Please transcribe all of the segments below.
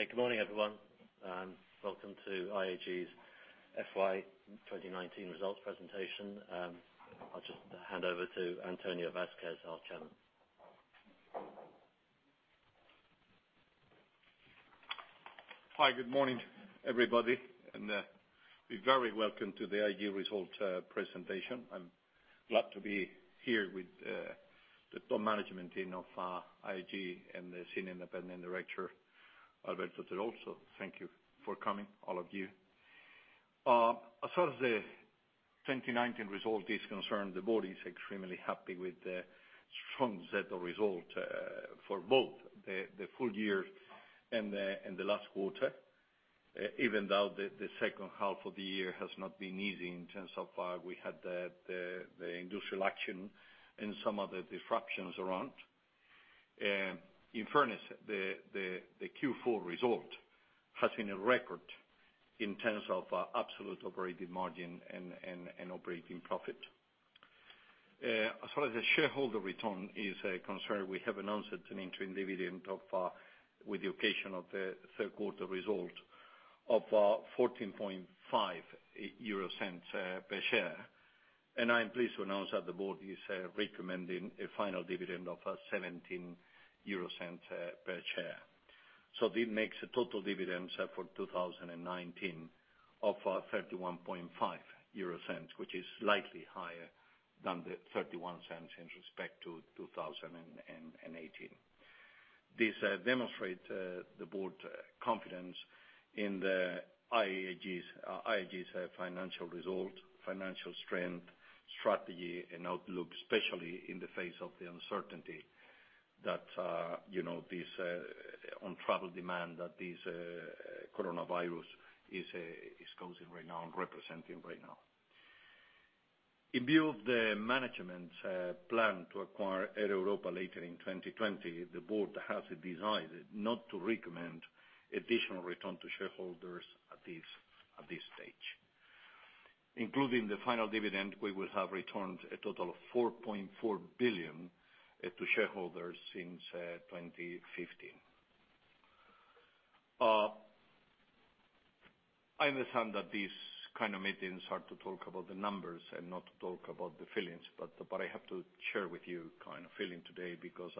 Good morning, everyone, and welcome to IAG's FY 2019 results presentation. I'll just hand over to Antonio Vazquez, our Chairman. Hi, good morning, everybody, be very welcome to the IAG results presentation. I am glad to be here with the top management team of IAG and the Senior Independent Director, Alberto Cerrolaza. Thank you for coming, all of you. As far as the 2019 result is concerned, the board is extremely happy with the strong set of results for both the full year and the last quarter, even though the second half of the year has not been easy in terms of we had the industrial action and some of the disruptions around. In fairness, the Q4 result has been a record in terms of absolute operating margin and operating profit. As far as the shareholder return is concerned, we have announced an interim dividend with the occasion of the third quarter result of 0.145 per share. I am pleased to announce that the board is recommending a final dividend of 0.17 per share. This makes a total dividend for 2019 of 0.315, which is slightly higher than the 0.31 in respect to 2018. This demonstrates the board confidence in IAG's financial result, financial strength, strategy, and outlook, especially in the face of the uncertainty that on travel demand, that this coronavirus is causing right now and representing right now. In view of the management plan to acquire Air Europa later in 2020, the board has decided not to recommend additional return to shareholders at this stage. Including the final dividend, we will have returned a total of 4.4 billion to shareholders since 2015. I understand that these kind of meetings are to talk about the numbers and not to talk about the feelings. I have to share with you a feeling today because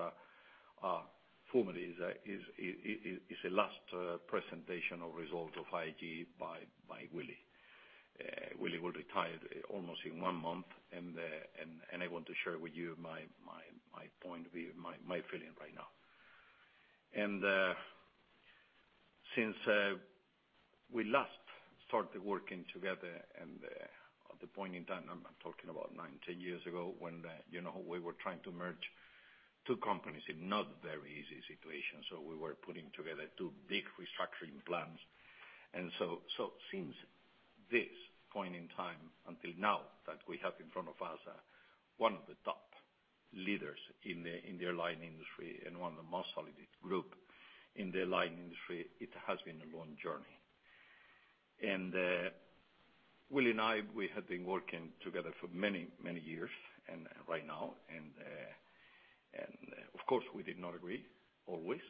formally it's the last presentation of results of IAG by Willie. Willie will retire almost in one month. I want to share with you my point of view, my feeling right now. Since we last started working together at the point in time, I'm talking about 19 years ago, when we were trying to merge two companies in not very easy situation. We were putting together two big restructuring plans. Since this point in time until now that we have in front of us one of the top leaders in the airline industry and one of the most solid group in the airline industry, it has been a long journey. Willie and I, we have been working together for many, many years. Right now, of course, we did not agree always,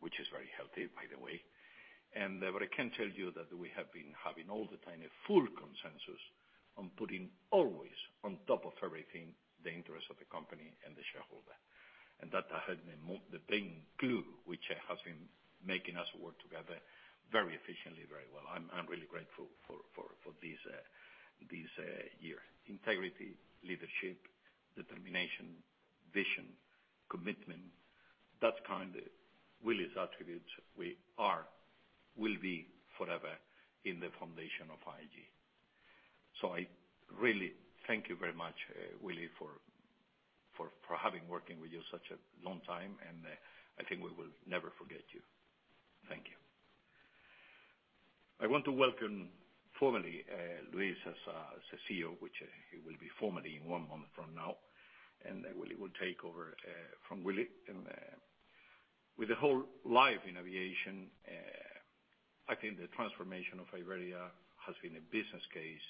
which is very healthy, by the way. I can tell you that we have been having all the time a full consensus on putting always on top of everything the interest of the company and the shareholder. That has been the main glue, which has been making us work together very efficiently, very well. I'm really grateful for this year. Integrity, leadership, determination, vision, commitment. That kind, Willie's attributes, will be forever in the foundation of IAG. I really thank you very much, Willie, for having working with you such a long time, and I think we will never forget you. Thank you. I want to welcome formally Luis as CEO, which he will be formally in one month from now, and Luis will take over from Willie. With a whole life in aviation, I think the transformation of Iberia has been a business case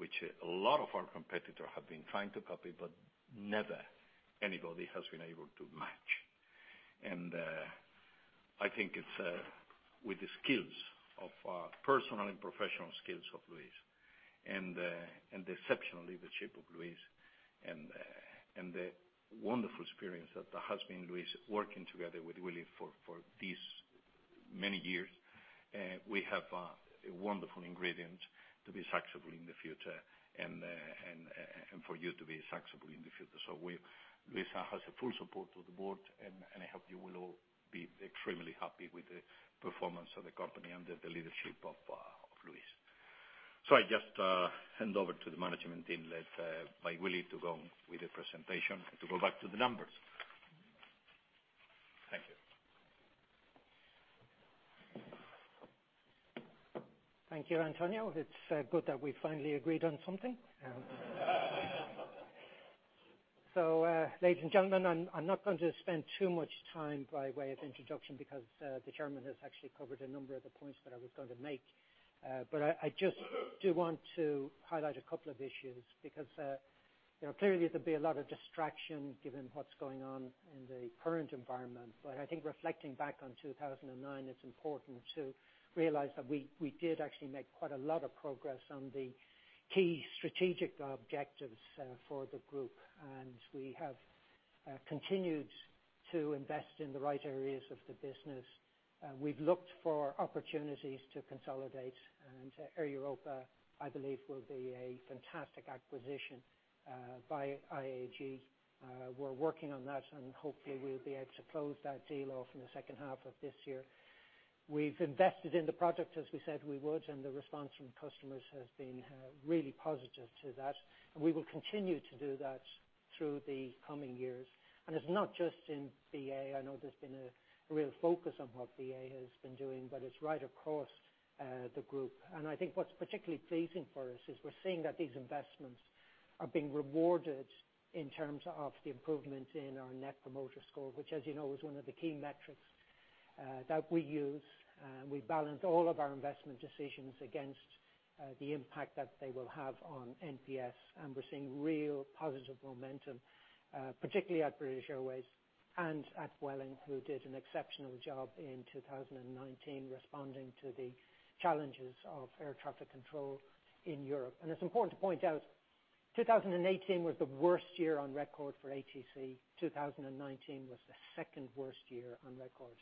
which a lot of our competitor have been trying to copy, but never anybody has been able to match. I think it's with the personal and professional skills of Luis, and the exceptional leadership of Luis, and the wonderful experience that has been Luis working together with Willie for these many years. We have a wonderful ingredient to be successful in the future and for you to be successful in the future. Luis has the full support of the board, and I hope you will all be extremely happy with the performance of the company under the leadership of Luis. I just hand over to the management team led by Willie to go with the presentation, to go back to the numbers. Thank you. Thank you, Antonio. It's good that we finally agreed on something. Ladies and gentlemen, I'm not going to spend too much time by way of introduction because the Chairman has actually covered a number of the points that I was going to make. I just do want to highlight a couple of issues, because, clearly, there'll be a lot of distraction given what's going on in the current environment. I think reflecting back on 2009, it's important to realize that we did actually make quite a lot of progress on the key strategic objectives for the group. We have continued to invest in the right areas of the business. We've looked for opportunities to consolidate. Air Europa, I believe, will be a fantastic acquisition by IAG. We're working on that. Hopefully, we'll be able to close that deal off in the second half of this year. We've invested in the product as we said we would. The response from customers has been really positive to that. We will continue to do that through the coming years. It's not just in BA. I know there's been a real focus on what BA has been doing, but it's right across the group. I think what's particularly pleasing for us is we're seeing that these investments are being rewarded in terms of the improvement in our Net Promoter Score, which as you know, is one of the key metrics that we use. We balance all of our investment decisions against the impact that they will have on NPS, and we're seeing real positive momentum, particularly at British Airways and at Vueling, who did an exceptional job in 2019 responding to the challenges of air traffic control in Europe. It's important to point out 2018 was the worst year on record for ATC. 2019 was the second-worst year on record.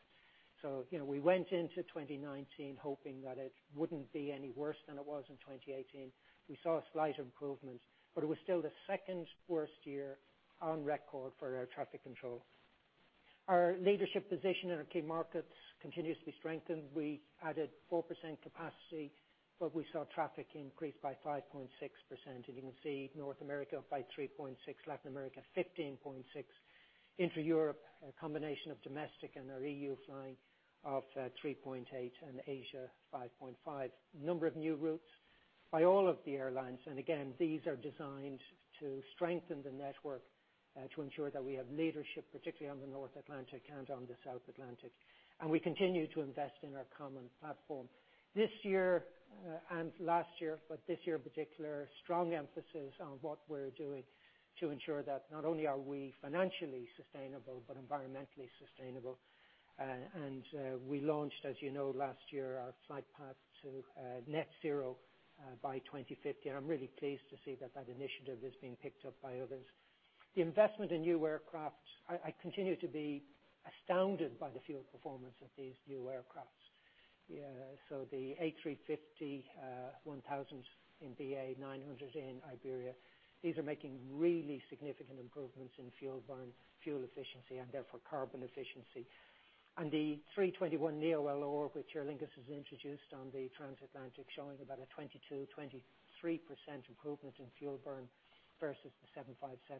We went into 2019 hoping that it wouldn't be any worse than it was in 2018. We saw a slight improvement, but it was still the second-worst year on record for air traffic control. Our leadership position in our key markets continues to be strengthened. We added 4% capacity, but we saw traffic increase by 5.6%. You can see North America up by 3.6, Latin America 15.6, intra-Europe, a combination of domestic and our EU flying up 3.8, and Asia 5.5. Number of new routes by all of the airlines. Again, these are designed to strengthen the network to ensure that we have leadership, particularly on the North Atlantic and on the South Atlantic. We continue to invest in our common platform. This year and last year, but this year in particular, strong emphasis on what we're doing to ensure that not only are we financially sustainable, but environmentally sustainable. We launched, as you know, last year, our Flightpath Net Zero by 2050. I'm really pleased to see that that initiative is being picked up by others. The investment in new aircraft, I continue to be astounded by the fuel performance of these new aircraft. The A350-1000 in BA, 900 in Iberia. These are making really significant improvements in fuel burn, fuel efficiency, and therefore carbon efficiency. The A321LR, which Aer Lingus has introduced on the transatlantic, showing about a 22%-23% improvement in fuel burn versus the 757.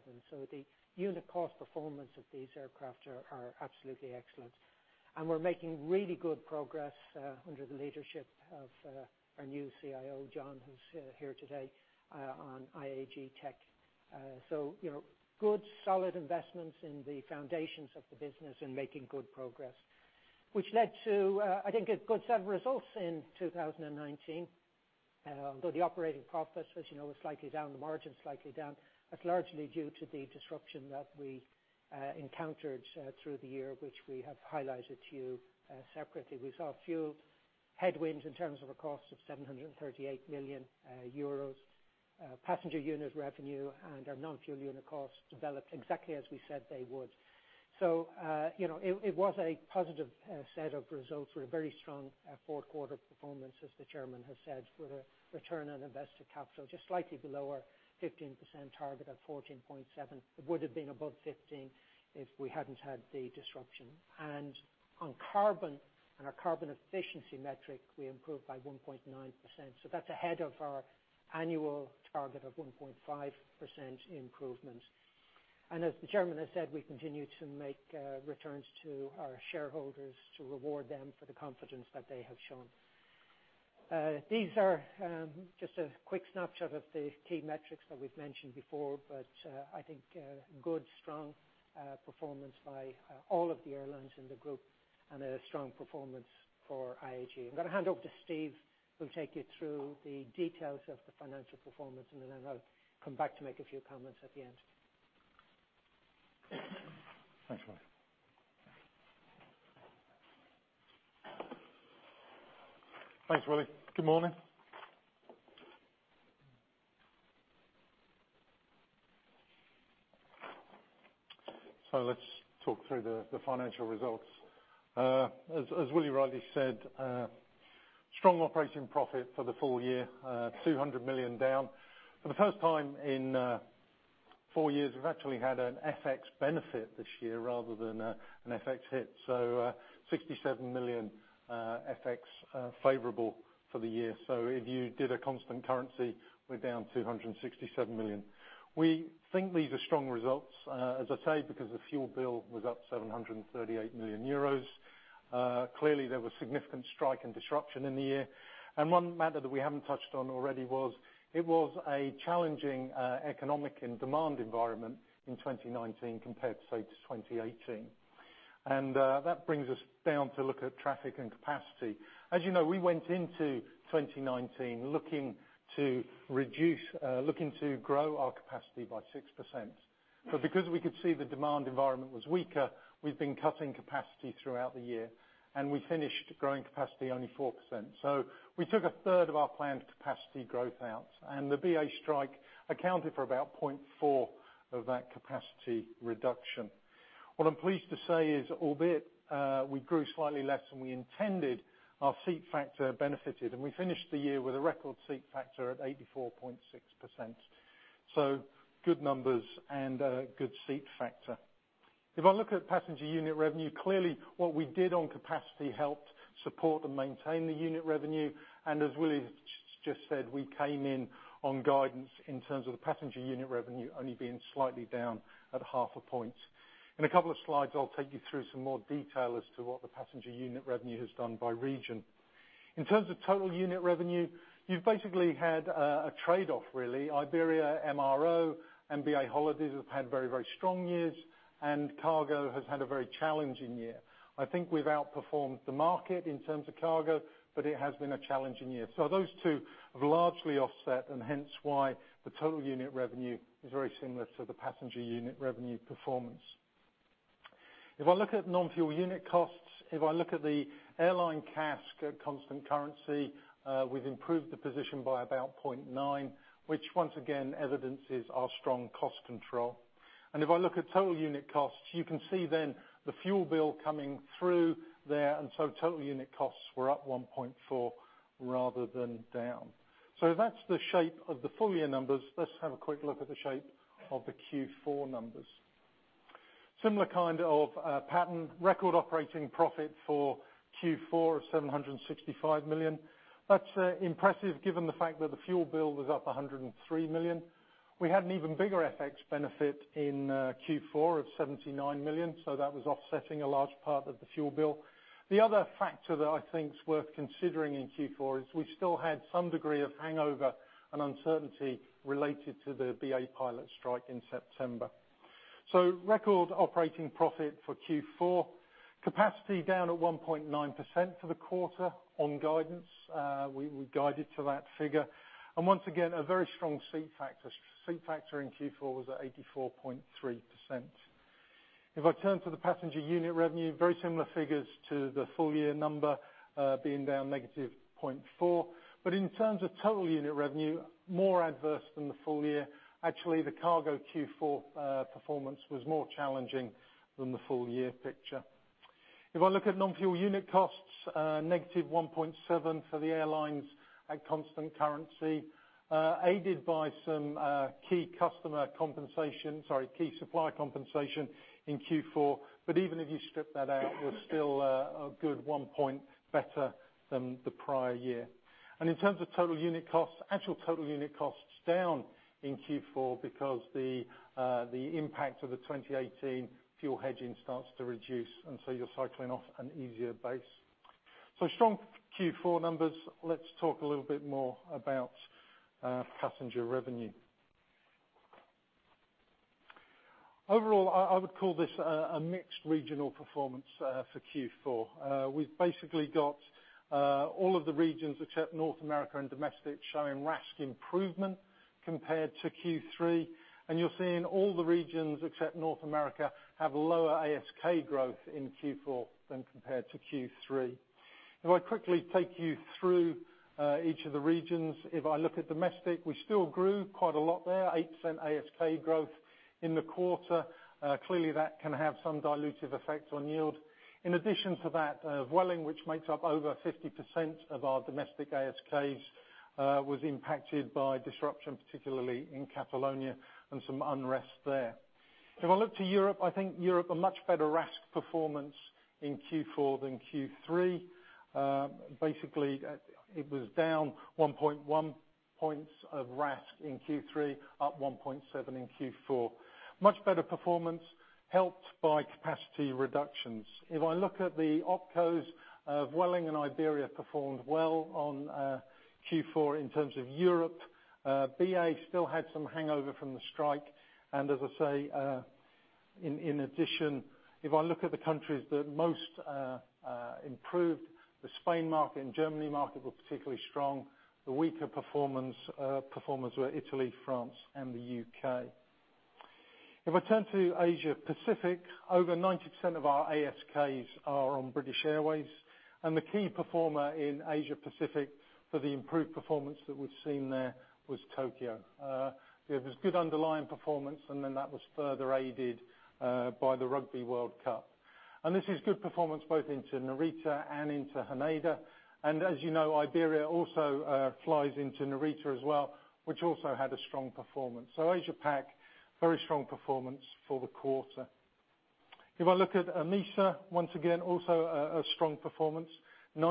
The unit cost performance of these aircraft are absolutely excellent. We're making really good progress under the leadership of our new CIO, John, who's here today on IAG Tech. Good, solid investments in the foundations of the business and making good progress, which led to a good set of results in 2019. Although the operating profit, as you know, was slightly down, the margin slightly down. That's largely due to the disruption that we encountered through the year, which we have highlighted to you separately. We saw a few headwinds in terms of a cost of 738 million euros. Passenger unit revenue and our non-fuel unit costs developed exactly as we said they would. It was a positive set of results with a very strong fourth quarter performance, as the Chairman has said, with a return on invested capital just slightly below our 15% target at 14.7%. It would have been above 15% if we hadn't had the disruption. On carbon and our carbon efficiency metric, we improved by 1.9%. That's ahead of our annual target of 1.5% improvement. As the Chairman has said, we continue to make returns to our shareholders to reward them for the confidence that they have shown. These are just a quick snapshot of the key metrics that we've mentioned before, but I think good, strong performance by all of the airlines in the group and a strong performance for IAG. I'm going to hand over to Steve, who'll take you through the details of the financial performance, and then I'll come back to make a few comments at the end. Thanks, Willie. Good morning. Let's talk through the financial results. As Willie already said, strong operating profit for the full year, 200 million down. For the first time in four years, we've actually had an FX benefit this year rather than an FX hit. 67 million FX favorable for the year. If you did a constant currency, we're down 267 million. We think these are strong results, as I say, because the fuel bill was up 738 million euros. Clearly, there was significant strike and disruption in the year. One matter that we haven't touched on already was it was a challenging economic and demand environment in 2019 compared to, say, 2018. That brings us down to look at traffic and capacity. As you know, we went into 2019 looking to grow our capacity by 6%. Because we could see the demand environment was weaker, we've been cutting capacity throughout the year, and we finished growing capacity only 4%. We took a third of our planned capacity growth out, and the BA strike accounted for about 0.4 of that capacity reduction. What I'm pleased to say is, albeit we grew slightly less than we intended, our seat factor benefited, and we finished the year with a record seat factor of 84.6%. Good numbers and good seat factor. If I look at passenger unit revenue, clearly what we did on capacity helped support and maintain the unit revenue. As Willie just said, we came in on guidance in terms of the passenger unit revenue only being slightly down at half a point. In a couple of slides, I'll take you through some more detail as to what the passenger unit revenue has done by region. In terms of total unit revenue, you've basically had a trade-off, really. Iberia, MRO, and BA Holidays have had very strong years, and cargo has had a very challenging year. I think we've outperformed the market in terms of cargo, but it has been a challenging year. Those two have largely offset, and hence why the total unit revenue is very similar to the passenger unit revenue performance. If I look at non-fuel unit costs, if I look at the airline CASK at constant currency, we've improved the position by about 0.9, which once again evidences our strong cost control. If I look at total unit costs, you can see the fuel bill coming through there, total unit costs were up 1.4% rather than down. That's the shape of the full year numbers. Let's have a quick look at the shape of the Q4 numbers. Similar kind of pattern. Record operating profit for Q4 of 765 million. That's impressive given the fact that the fuel bill was up 103 million. We had an even bigger FX benefit in Q4 of 79 million, that was offsetting a large part of the fuel bill. The other factor that I think is worth considering in Q4 is we still had some degree of hangover and uncertainty related to the British Airways pilot strike in September. Record operating profit for Q4. Capacity down at 1.9% for the quarter on guidance. We guided to that figure. Once again, a very strong seat factor. Seat factor in Q4 was at 84.3%. If I turn to the passenger unit revenue, very similar figures to the full year number, being down negative 0.4%. In terms of total unit revenue, more adverse than the full year. Actually, the cargo Q4 performance was more challenging than the full-year picture. If I look at non-fuel unit costs, negative 1.7% for the airlines at constant currency, aided by some key supply compensation in Q4. Even if you strip that out, we're still a good 1 point better than the prior year. In terms of total unit costs, actual total unit costs down in Q4 because the impact of the 2018 fuel hedging starts to reduce, you're cycling off an easier base. Strong Q4 numbers. Let's talk a little bit more about passenger revenue. Overall, I would call this a mixed regional performance for Q4. We've basically got all of the regions except North America and Domestic showing RASK improvement compared to Q3, and you're seeing all the regions except North America have lower ASK growth in Q4 than compared to Q3. If I quickly take you through each of the regions, if I look at Domestic, we still grew quite a lot there, 8% ASK growth in the quarter. Clearly, that can have some dilutive effect on yield. In addition to that, Vueling, which makes up over 50% of our domestic ASKs, was impacted by disruption, particularly in Catalonia and some unrest there. If I look to Europe, I think Europe, a much better RASK performance in Q4 than Q3. Basically, it was down 1.1 points of RASK in Q3, up 1.7 in Q4. Much better performance helped by capacity reductions. If I look at the opcos, Vueling and Iberia performed well on Q4 in terms of Europe. BA still had some hangover from the strike. As I say, in addition, if I look at the countries that most improved, the Spain market and Germany market were particularly strong. The weaker performers were Italy, France, and the U.K. If I turn to Asia Pacific, over 90% of our ASKs are on British Airways, and the key performer in Asia Pacific for the improved performance that we've seen there was Tokyo. There was good underlying performance, and then that was further aided by the Rugby World Cup. This is good performance both into Narita and into Haneda. As you know, Iberia also flies into Narita as well, which also had a strong performance. Asia Pac, very strong performance for the quarter. If I look at MEASA, once again, also a strong performance. The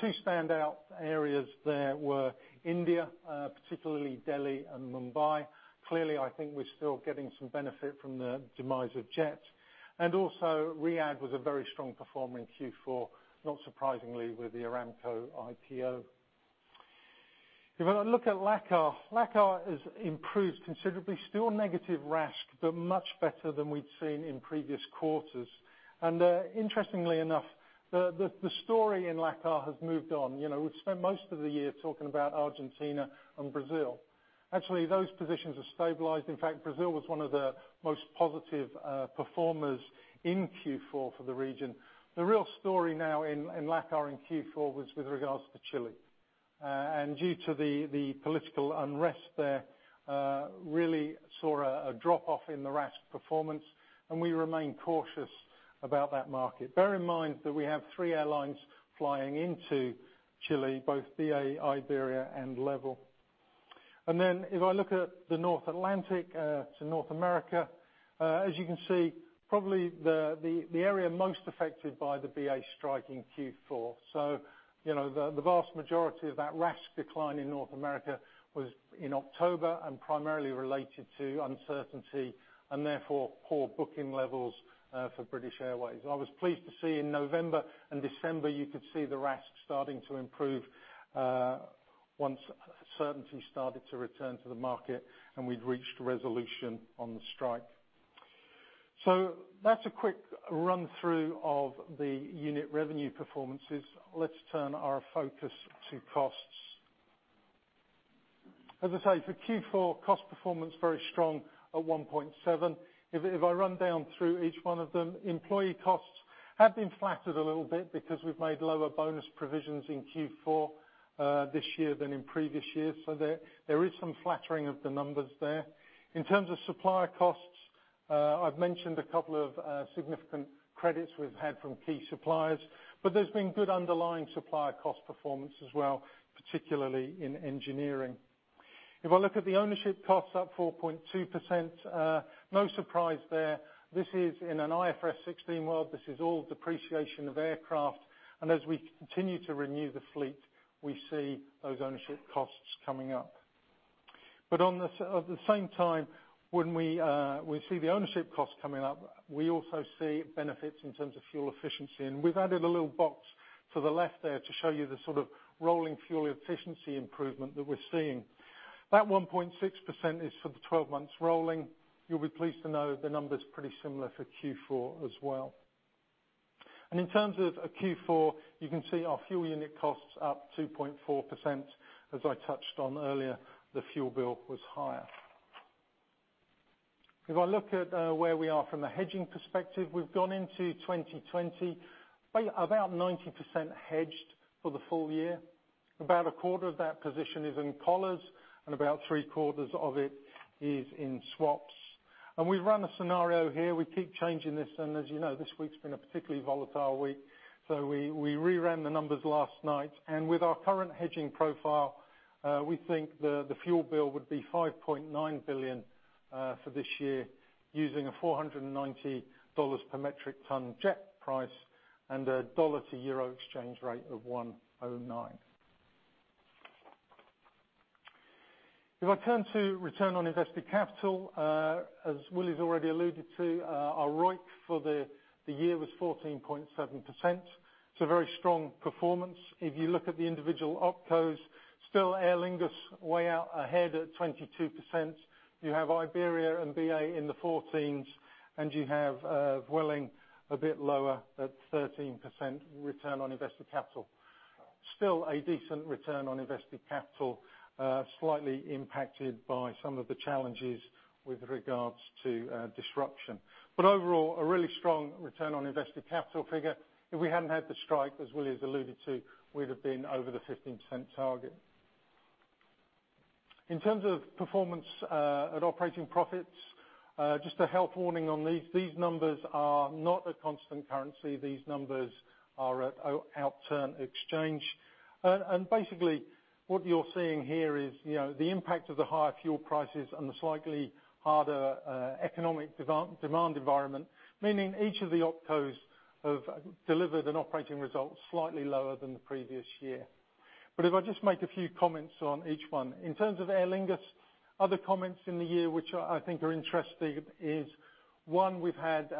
two standout areas there were India, particularly Delhi and Mumbai. Clearly, I think we're still getting some benefit from the demise of Jet. Also Riyadh was a very strong performer in Q4, not surprisingly with the Aramco IPO. If I look at LACAR has improved considerably. Still negative RASK, but much better than we'd seen in previous quarters. Interestingly enough, the story in LACAR has moved on. We've spent most of the year talking about Argentina and Brazil. Actually, those positions have stabilized. In fact, Brazil was one of the most positive performers in Q4 for the region. The real story now in LACAR in Q4 was with regards to Chile. Due to the political unrest there, really saw a drop-off in the RASK performance, and we remain cautious about that market. Bear in mind that we have three airlines flying into Chile, both BA, Iberia, and Level. If I look at the North Atlantic to North America, as you can see, probably the area most affected by the BA strike in Q4. The vast majority of that RASK decline in North America was in October and primarily related to uncertainty, and therefore poor booking levels for British Airways. I was pleased to see in November and December, you could see the RASK starting to improve once certainty started to return to the market, and we'd reached a resolution on the strike. That's a quick run-through of the unit revenue performances. Let's turn our focus to costs. As I say, for Q4, cost performance very strong at 1.7. If I run down through each one of them, employee costs have been flattered a little bit because we've made lower bonus provisions in Q4 this year than in previous years. There is some flattering of the numbers there. In terms of supplier costs, I've mentioned a couple of significant credits we've had from key suppliers, but there's been good underlying supplier cost performance as well, particularly in engineering. If I look at the ownership costs up 4.2%, no surprise there. This is in an IFRS 16 world. This is all depreciation of aircraft. As we continue to renew the fleet, we see those ownership costs coming up. At the same time, when we see the ownership costs coming up, we also see benefits in terms of fuel efficiency. We've added a little box to the left there to show you the sort of rolling fuel efficiency improvement that we're seeing. That 1.6% is for the 12 months rolling. You'll be pleased to know the number's pretty similar for Q4 as well. In terms of Q4, you can see our fuel unit costs up 2.4%. As I touched on earlier, the fuel bill was higher. If I look at where we are from a hedging perspective, we've gone into 2020, about 90% hedged for the full year. About a quarter of that position is in collars and about three-quarters of it is in swaps. We've run a scenario here. We keep changing this, and as you know, this week's been a particularly volatile week. We re-ran the numbers last night. With our current hedging profile, we think the fuel bill would be 5.9 billion for this year using a $490 per metric ton jet price and a USD to EUR exchange rate of 1.09. If I turn to return on invested capital, as Willie's already alluded to, our ROIC for the year was 14.7%. It's a very strong performance. If you look at the individual opcos, still Aer Lingus way out ahead at 22%. You have Iberia and BA in the 14s, and you have Vueling a bit lower at 13% return on invested capital. Still a decent return on invested capital, slightly impacted by some of the challenges with regards to disruption. Overall, a really strong return on invested capital figure. If we hadn't had the strike, as Willie has alluded to, we'd have been over the 15% target. In terms of performance at operating profits, just a health warning on these. These numbers are not a constant currency. These numbers are at outturn exchange. Basically, what you're seeing here is the impact of the higher fuel prices and the slightly harder economic demand environment, meaning each of the opcos have delivered an operating result slightly lower than the previous year. If I just make a few comments on each one. In terms of Aer Lingus, other comments in the year which I think are interesting is, one, we've had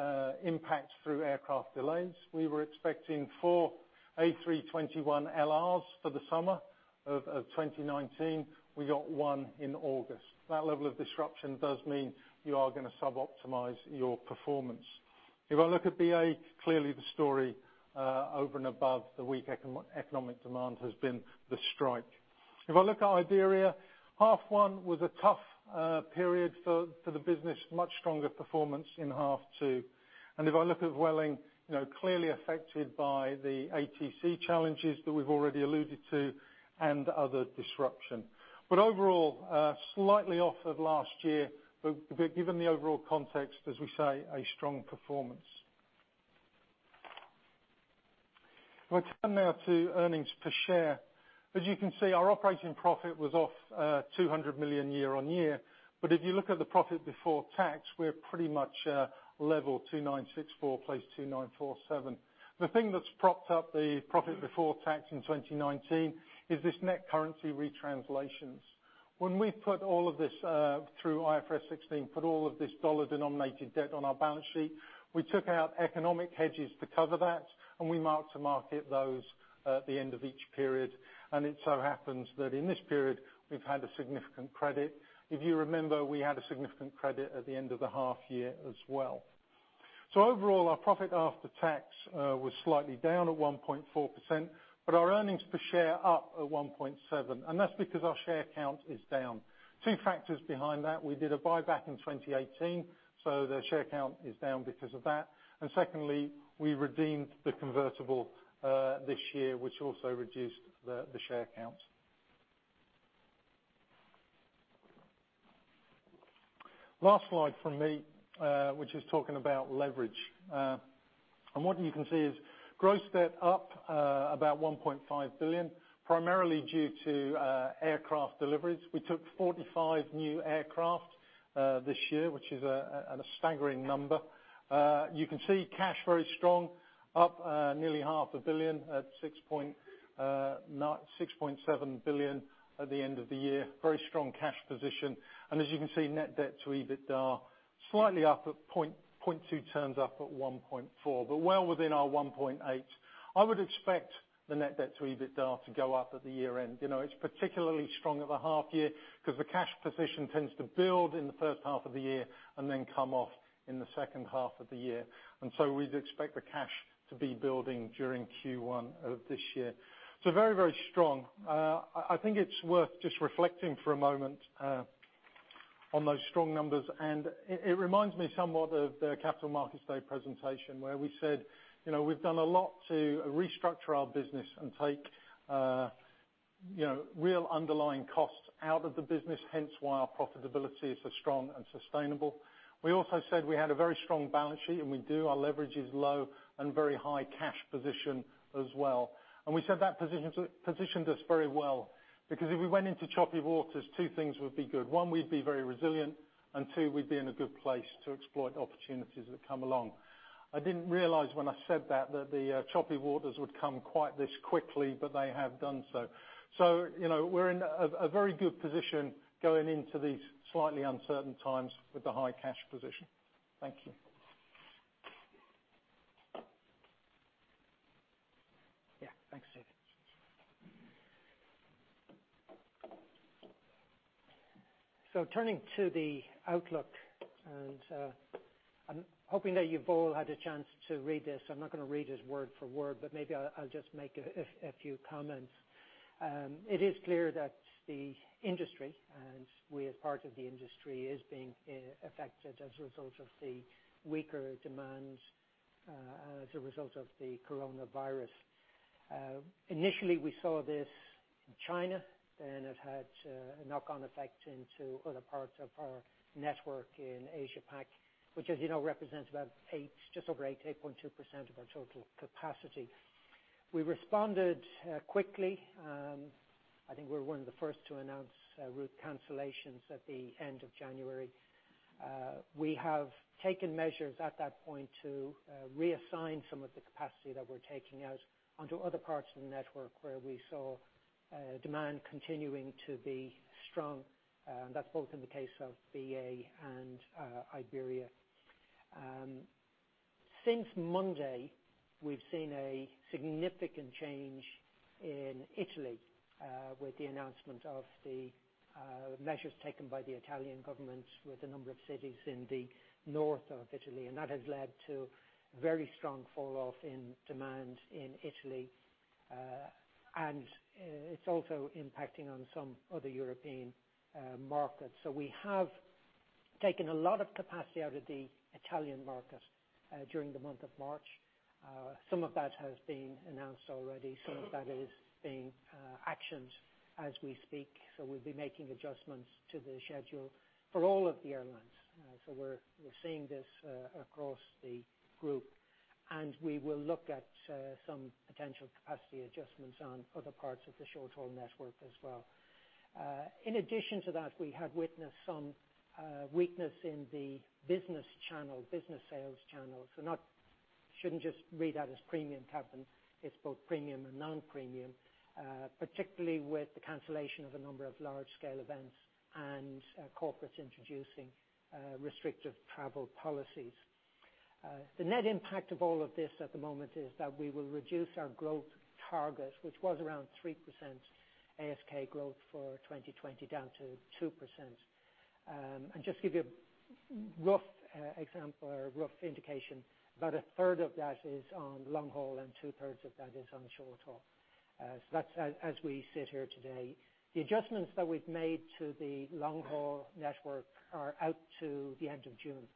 impacts through aircraft delays. We were expecting four A321LRs for the summer of 2019. We got one in August. That level of disruption does mean you are going to sub-optimize your performance. If I look at BA, clearly the story over and above the weak economic demand has been the strike. I look at Iberia, half one was a tough period for the business. Much stronger performance in half two. I look at Vueling, clearly affected by the ATC challenges that we've already alluded to and other disruption. Overall, slightly off of last year. Given the overall context, as we say, a strong performance. I turn now to earnings per share. As you can see, our operating profit was off 200 million year-over-year. If you look at the profit before tax, we're pretty much level 2.964 billion plays 2.947 billion. The thing that's propped up the profit before tax in 2019 is this net currency retranslations. When we put all of this through IFRS 16, put all of this dollar-denominated debt on our balance sheet, we took out economic hedges to cover that, and we mark to market those at the end of each period. It so happens that in this period, we've had a significant credit. If you remember, we had a significant credit at the end of the half year as well. Overall, our profit after tax was slightly down at 1.4%, but our earnings per share up at 1.7%, and that's because our share count is down. Two factors behind that. We did a buyback in 2018, the share count is down because of that. Secondly, we redeemed the convertible this year, which also reduced the share count. Last slide from me, which is talking about leverage. What you can see is gross debt up about 1.5 billion, primarily due to aircraft deliveries. We took 45 new aircraft this year, which is a staggering number. You can see cash very strong, up nearly EUR half a billion at 6.7 billion at the end of the year. Very strong cash position. As you can see, net debt to EBITDA slightly up at 0.2 turns, up at 1.4, but well within our 1.8. I would expect the net debt to EBITDA to go up at the year-end. It's particularly strong at the half year because the cash position tends to build in the first half of the year and then come off in the second half of the year. We'd expect the cash to be building during Q1 of this year. Very strong. I think it's worth just reflecting for a moment on those strong numbers, and it reminds me somewhat of the Capital Markets Day presentation where we said we've done a lot to restructure our business and take real underlying costs out of the business, hence why our profitability is so strong and sustainable. We also said we had a very strong balance sheet, and we do. Our leverage is low and very high cash position as well. We said that positions us very well, because if we went into choppy waters, two things would be good. One, we'd be very resilient, and two, we'd be in a good place to exploit opportunities that come along. I didn't realize when I said that that the choppy waters would come quite this quickly, but they have done so. We're in a very good position going into these slightly uncertain times with the high cash position. Thank you. Thanks, Steve. Turning to the outlook, I'm hoping that you've all had a chance to read this. I'm not going to read it word for word, maybe I'll just make a few comments. It is clear that the industry, we as part of the industry, is being affected as a result of the weaker demand as a result of the coronavirus. Initially, we saw this in China, it had a knock-on effect into other parts of our network in Asia Pac, which as you know represents about just over 8.2% of our total capacity. We responded quickly. I think we were one of the first to announce route cancellations at the end of January. We have taken measures at that point to reassign some of the capacity that we're taking out onto other parts of the network where we saw demand continuing to be strong. That's both in the case of BA and Iberia. Since Monday, we've seen a significant change in Italy with the announcement of the measures taken by the Italian government with a number of cities in the north of Italy. That has led to very strong fall-off in demand in Italy. It's also impacting on some other European markets. We have taken a lot of capacity out of the Italian market during the month of March. Some of that has been announced already. Some of that is being actioned as we speak. We'll be making adjustments to the schedule for all of the airlines. We are seeing this across the group, and we will look at some potential capacity adjustments on other parts of the short-haul network as well. In addition to that, we have witnessed some weakness in the business sales channel. You should not just read that as premium cabin. It is both premium and non-premium, particularly with the cancellation of a number of large-scale events and corporates introducing restrictive travel policies. The net impact of all of this at the moment is that we will reduce our growth target, which was around 3% ASK growth for 2020, down to 2%. Just to give you a rough example or a rough indication, about a third of that is on long-haul and two-thirds of that is on short-haul. That is as we sit here today. The adjustments that we have made to the long-haul network are out to the end of June.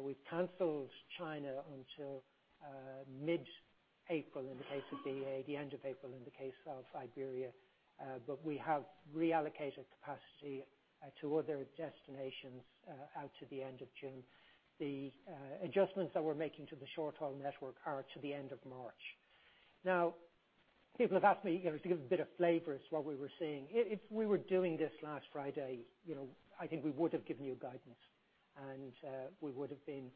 We've canceled China until mid-April in the case of BA, the end of April in the case of Iberia. We have reallocated capacity to other destinations out to the end of June. The adjustments that we're making to the short-haul network are to the end of March. People have asked me to give a bit of flavor as to what we were seeing. If we were doing this last Friday, I think we would have given you guidance. And we would have been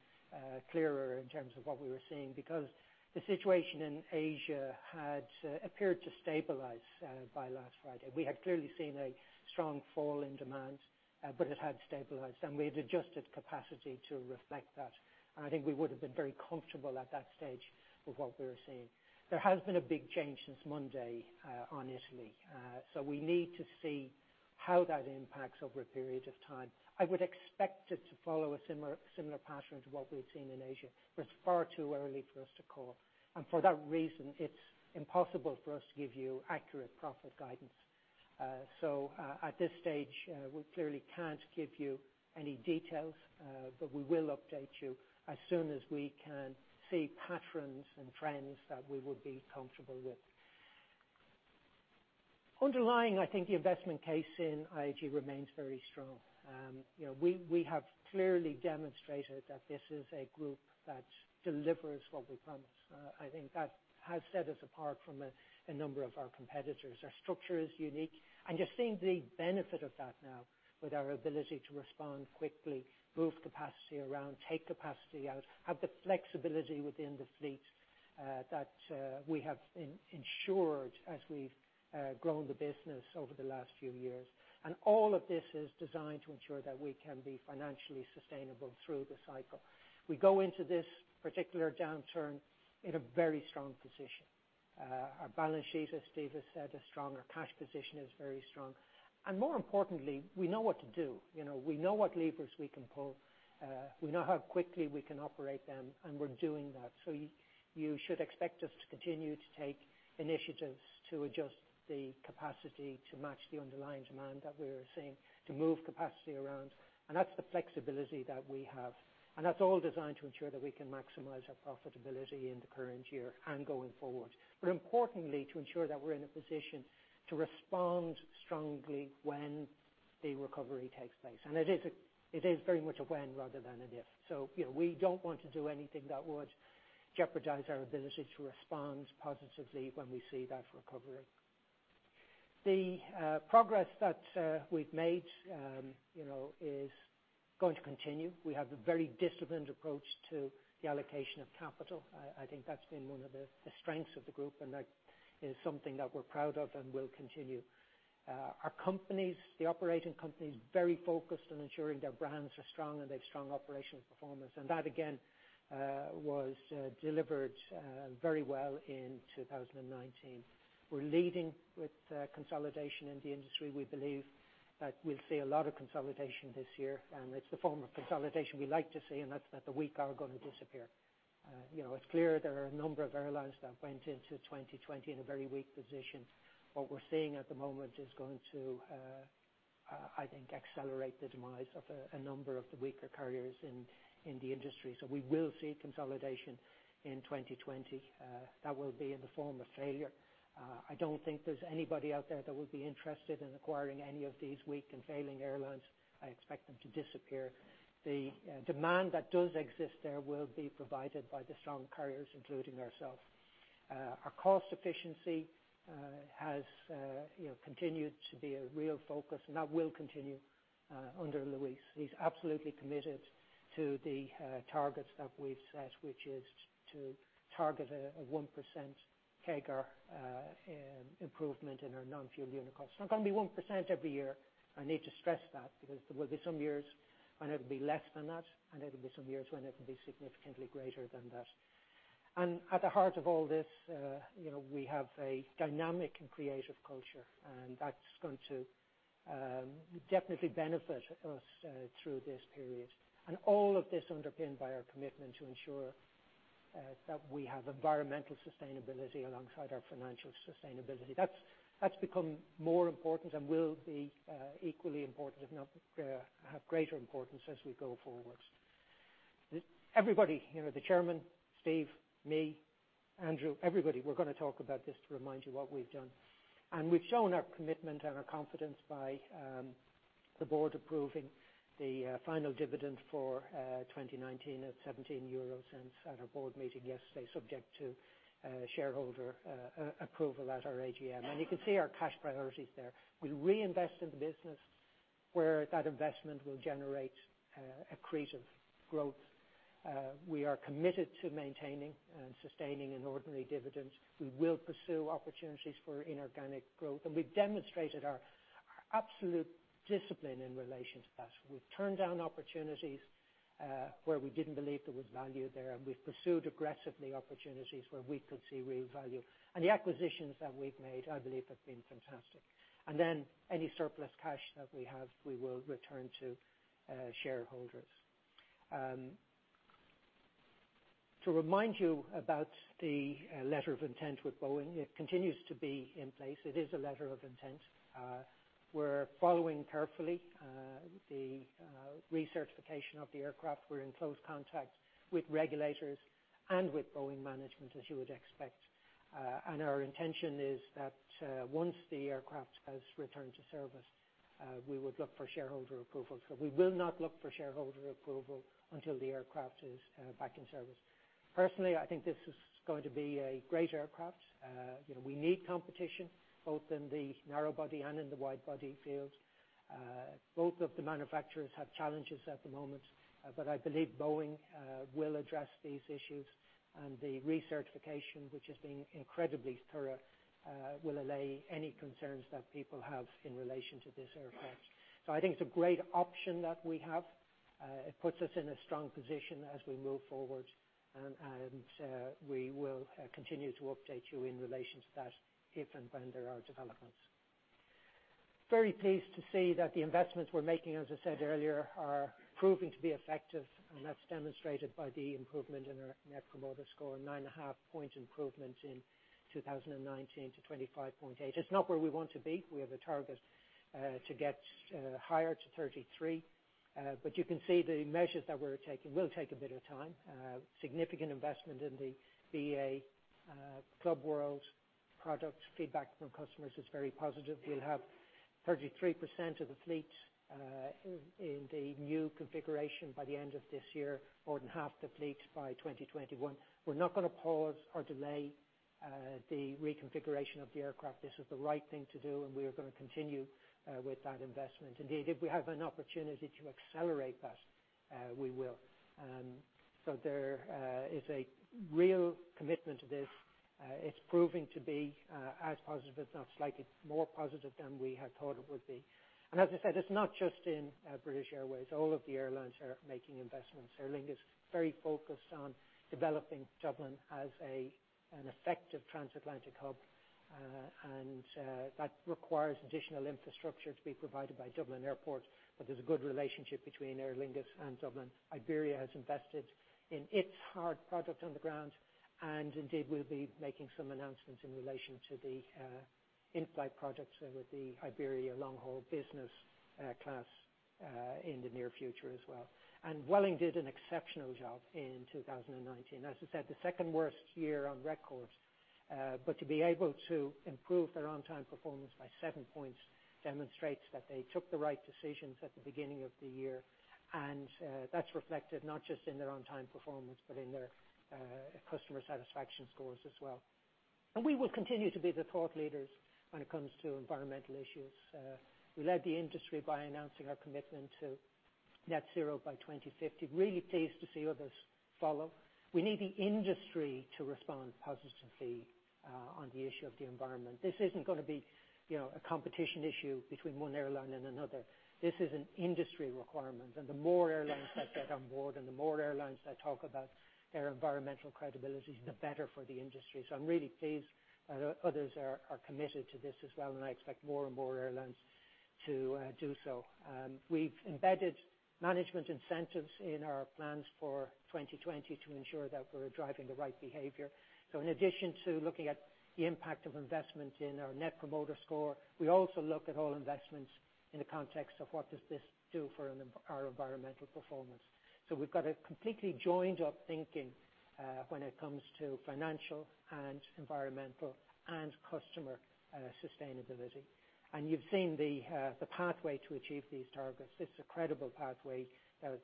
clearer in terms of what we were seeing, because the situation in Asia had appeared to stabilize by last Friday. We had clearly seen a strong fall in demand, but it had stabilized, and we had adjusted capacity to reflect that. I think we would have been very comfortable at that stage with what we were seeing. There has been a big change since Monday on Italy. We need to see how that impacts over a period of time. I would expect it to follow a similar pattern to what we've seen in Asia, but it's far too early for us to call. For that reason, it's impossible for us to give you accurate profit guidance. At this stage, we clearly can't give you any details, but we will update you as soon as we can see patterns and trends that we would be comfortable with. Underlying, I think the investment case in IAG remains very strong. We have clearly demonstrated that this is a group that delivers what we promise. I think that has set us apart from a number of our competitors. Our structure is unique, and you're seeing the benefit of that now with our ability to respond quickly, move capacity around, take capacity out, have the flexibility within the fleet that we have ensured as we've grown the business over the last few years. All of this is designed to ensure that we can be financially sustainable through the cycle. We go into this particular downturn in a very strong position. Our balance sheet, as Steve has said, is strong. Our cash position is very strong. More importantly, we know what to do. We know what levers we can pull. We know how quickly we can operate them, and we're doing that. You should expect us to continue to take initiatives to adjust the capacity to match the underlying demand that we're seeing, to move capacity around. That's the flexibility that we have. That's all designed to ensure that we can maximize our profitability in the current year and going forward. Importantly, to ensure that we're in a position to respond strongly when the recovery takes place. It is very much a when rather than an if. We don't want to do anything that would jeopardize our ability to respond positively when we see that recovery. The progress that we've made is going to continue. We have a very disciplined approach to the allocation of capital. I think that's been one of the strengths of the group, and that is something that we're proud of and will continue. Our companies, the operating companies, very focused on ensuring their brands are strong and they have strong operational performance. That again, was delivered very well in 2019. We're leading with consolidation in the industry. We believe that we'll see a lot of consolidation this year, and it's the form of consolidation we like to see, and that's that the weak are going to disappear. It's clear there are a number of airlines that went into 2020 in a very weak position. What we're seeing at the moment is going to, I think, accelerate the demise of a number of the weaker carriers in the industry. We will see consolidation in 2020. That will be in the form of failure. I don't think there's anybody out there that would be interested in acquiring any of these weak and failing airlines. I expect them to disappear. The demand that does exist there will be provided by the strong carriers, including ourselves. Our cost efficiency has continued to be a real focus, and that will continue under Luis. He's absolutely committed to the targets that we've set, which is to target a 1% CAGR improvement in our non-fuel unit costs. It's not going to be 1% every year. I need to stress that, because there will be some years when it'll be less than that, and there'll be some years when it'll be significantly greater than that. At the heart of all this, we have a dynamic and creative culture, and that's going to definitely benefit us through this period. All of this underpinned by our commitment to ensure that we have environmental sustainability alongside our financial sustainability. That's become more important and will be equally important, if not have greater importance as we go forward. Everybody, the chairman, Steve, me, Andrew, everybody, we're going to talk about this to remind you what we've done. We've shown our commitment and our confidence by the board approving the final dividend for 2019 at 0.17 at our board meeting yesterday, subject to shareholder approval at our AGM. You can see our cash priorities there. We reinvest in the business where that investment will generate accretive growth. We are committed to maintaining and sustaining an ordinary dividend. We will pursue opportunities for inorganic growth, and we've demonstrated our absolute discipline in relation to that. We've turned down opportunities where we didn't believe there was value there, and we've pursued aggressively opportunities where we could see real value. The acquisitions that we've made, I believe, have been fantastic. Any surplus cash that we have, we will return to shareholders. To remind you about the letter of intent with Boeing, it continues to be in place. It is a letter of intent. We're following carefully the recertification of the aircraft. We're in close contact with regulators and with Boeing management, as you would expect. Our intention is that once the aircraft has returned to service, we would look for shareholder approval. We will not look for shareholder approval until the aircraft is back in service. Personally, I think this is going to be a great aircraft. We need competition both in the narrow body and in the wide body field. Both of the manufacturers have challenges at the moment. I believe Boeing will address these issues, and the recertification, which is being incredibly thorough will allay any concerns that people have in relation to this aircraft. I think it's a great option that we have. It puts us in a strong position as we move forward, and we will continue to update you in relation to that if and when there are developments. Very pleased to see that the investments we're making, as I said earlier, are proving to be effective, and that's demonstrated by the improvement in our Net Promoter Score, a 9.5-point improvement in 2019 to 25.8. It's not where we want to be. We have a target to get higher, to 33. You can see the measures that we're taking will take a bit of time. Significant investment in the BA Club World product. Feedback from customers is very positive. We'll have 33% of the fleet in the new configuration by the end of this year, more than half the fleet by 2021. We're not going to pause or delay the reconfiguration of the aircraft. This is the right thing to do, and we are going to continue with that investment. Indeed, if we have an opportunity to accelerate that, we will. There is a real commitment to this. It's proving to be as positive, if not slightly more positive than we had thought it would be. As I said, it's not just in British Airways. All of the airlines are making investments. Aer Lingus, very focused on developing Dublin as an effective transatlantic hub, and that requires additional infrastructure to be provided by Dublin Airport. There's a good relationship between Aer Lingus and Dublin. Iberia has invested in its hard product on the ground, and indeed will be making some announcements in relation to the in-flight products with the Iberia long-haul business class in the near future as well. Vueling did an exceptional job in 2019. As I said, the second-worst year on record. To be able to improve their on-time performance by seven points demonstrates that they took the right decisions at the beginning of the year. That's reflected not just in their on-time performance, but in their customer satisfaction scores as well. We will continue to be the thought leaders when it comes to environmental issues. We led the industry by announcing our commitment to net zero by 2050. Really pleased to see others follow. We need the industry to respond positively on the issue of the environment. This isn't going to be a competition issue between one airline and another. This is an industry requirement, and the more airlines that get on board, and the more airlines that talk about their environmental credibility, the better for the industry. I'm really pleased that others are committed to this as well, and I expect more and more airlines to do so. We've embedded management incentives in our plans for 2020 to ensure that we're driving the right behavior. In addition to looking at the impact of investment in our Net Promoter Score, we also look at all investments in the context of what does this do for our environmental performance. We've got a completely joined-up thinking when it comes to financial and environmental and customer sustainability. You've seen the pathway to achieve these targets. It's a credible pathway that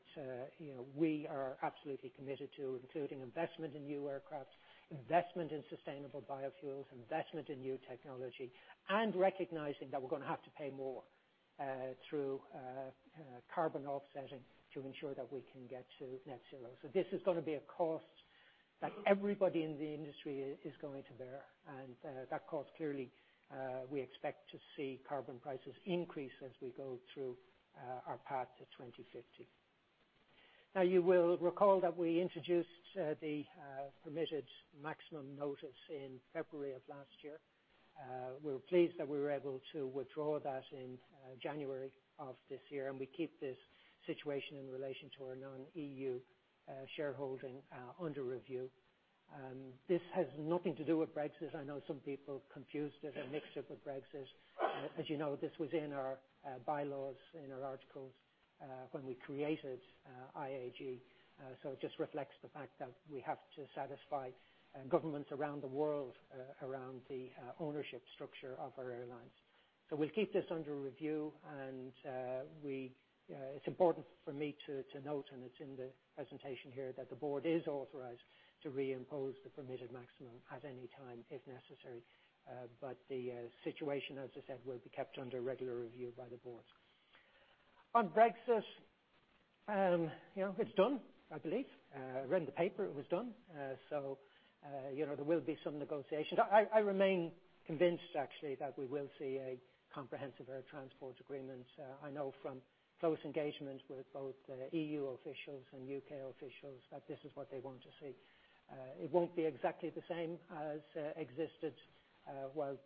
we are absolutely committed to, including investment in new aircraft, investment in sustainable biofuels, investment in new technology, and recognizing that we're going to have to pay more through carbon offsetting to ensure that we can get to net zero. This is going to be a cost that everybody in the industry is going to bear. That cost, clearly we expect to see carbon prices increase as we go through our path to 2050. You will recall that we introduced the Permitted Maximum notice in February of last year. We were pleased that we were able to withdraw that in January of this year. We keep this situation in relation to our non-EU shareholding under review. This has nothing to do with Brexit. I know some people confused it or mixed it with Brexit. As you know, this was in our bylaws, in our articles when we created IAG. It just reflects the fact that we have to satisfy governments around the world around the ownership structure of our airlines. We'll keep this under review, and it's important for me to note, and it's in the presentation here, that the board is authorized to reimpose the Permitted Maximum at any time if necessary. The situation, as I said, will be kept under regular review by the board. On Brexit, it's done, I believe. I read in the paper it was done. There will be some negotiations. I remain convinced actually that we will see a comprehensive air transport agreement. I know from close engagement with both E.U. officials and U.K. officials that this is what they want to see. It won't be exactly the same as existed while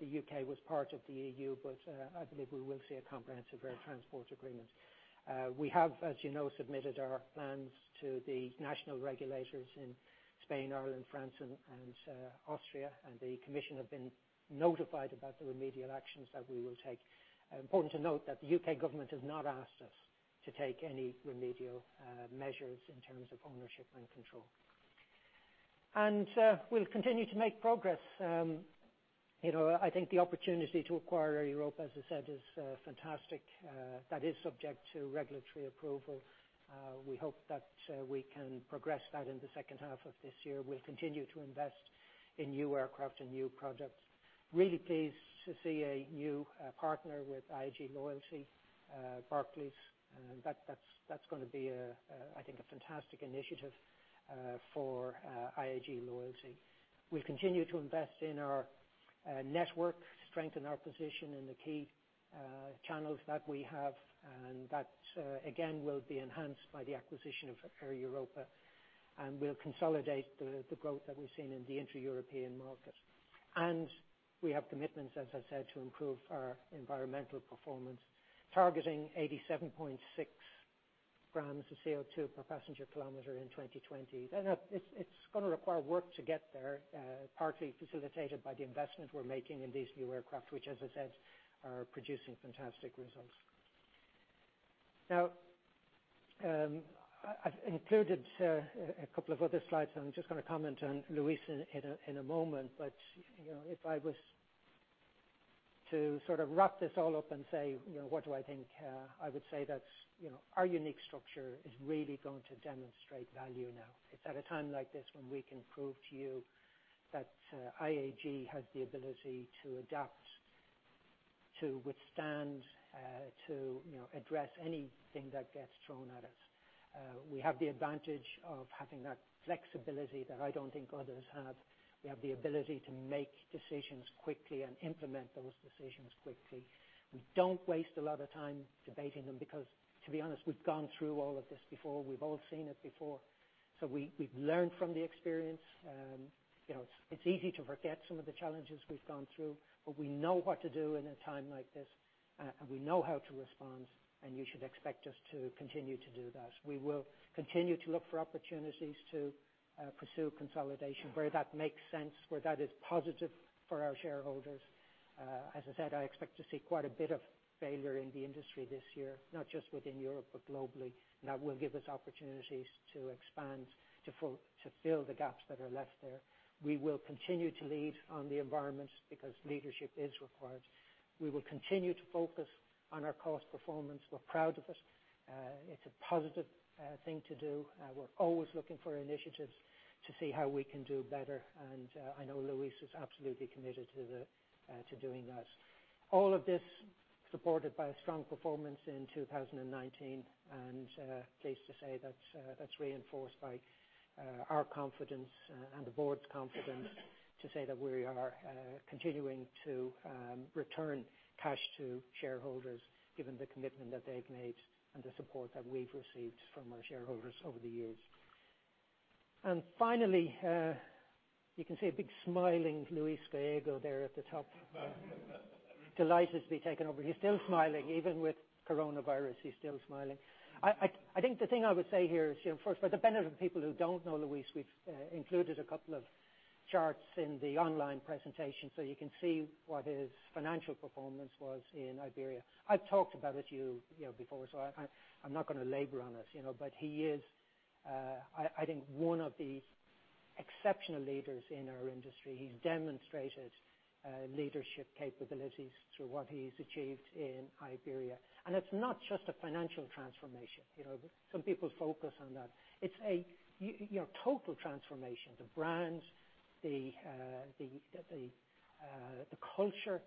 the U.K. was part of the E.U., but I believe we will see a comprehensive air transport agreement. We have, as you know, submitted our plans to the national regulators in Spain, Ireland, France, and Austria. The commission have been notified about the remedial actions that we will take. Important to note that the U.K. government has not asked us to take any remedial measures in terms of ownership and control. We'll continue to make progress. I think the opportunity to acquire Air Europa, as I said, is fantastic. That is subject to regulatory approval. We hope that we can progress that in the second half of this year. We'll continue to invest in new aircraft and new products. Really pleased to see a new partner with IAG Loyalty, Barclays. That's going to be, I think, a fantastic initiative for IAG Loyalty. We'll continue to invest in our network, strengthen our position in the key channels that we have, and that, again, will be enhanced by the acquisition of Air Europa. We'll consolidate the growth that we've seen in the intra-European market. We have commitments, as I said, to improve our environmental performance, targeting 87.6 grams of CO2 per passenger kilometer in 2020. It's going to require work to get there, partly facilitated by the investment we're making in these new aircraft, which, as I said, are producing fantastic results. I've included a couple of other slides. I'm just going to comment on Luis in a moment. If I was to wrap this all up and say, what do I think, I would say that our unique structure is really going to demonstrate value now. It's at a time like this when we can prove to you that IAG has the ability to adapt, to withstand, to address anything that gets thrown at us. We have the advantage of having that flexibility that I don't think others have. We have the ability to make decisions quickly and implement those decisions quickly. We don't waste a lot of time debating them because, to be honest, we've gone through all of this before. We've all seen it before. We've learned from the experience. It's easy to forget some of the challenges we've gone through, but we know what to do in a time like this, and we know how to respond, and you should expect us to continue to do that. We will continue to look for opportunities to pursue consolidation where that makes sense, where that is positive for our shareholders. As I said, I expect to see quite a bit of failure in the industry this year, not just within Europe, but globally. That will give us opportunities to expand, to fill the gaps that are left there. We will continue to lead on the environment because leadership is required. We will continue to focus on our cost performance. We're proud of it. It's a positive thing to do. We're always looking for initiatives to see how we can do better. I know Luis is absolutely committed to doing that. All of this supported by a strong performance in 2019. Pleased to say that's reinforced by our confidence and the board's confidence to say that we are continuing to return cash to shareholders, given the commitment that they've made and the support that we've received from our shareholders over the years. Finally, you can see a big smiling Luis Gallego there at the top. Delighted to be taking over. He's still smiling. Even with coronavirus, he's still smiling. I think the thing I would say here is, first, for the benefit of people who don't know Luis, we've included a couple of charts in the online presentation so you can see what his financial performance was in Iberia. I've talked about it to you before, so I'm not going to labor on it. He is, I think, one of the exceptional leaders in our industry. He's demonstrated leadership capabilities through what he's achieved in Iberia. It's not just a financial transformation. Some people focus on that. It's a total transformation. The brands, the culture,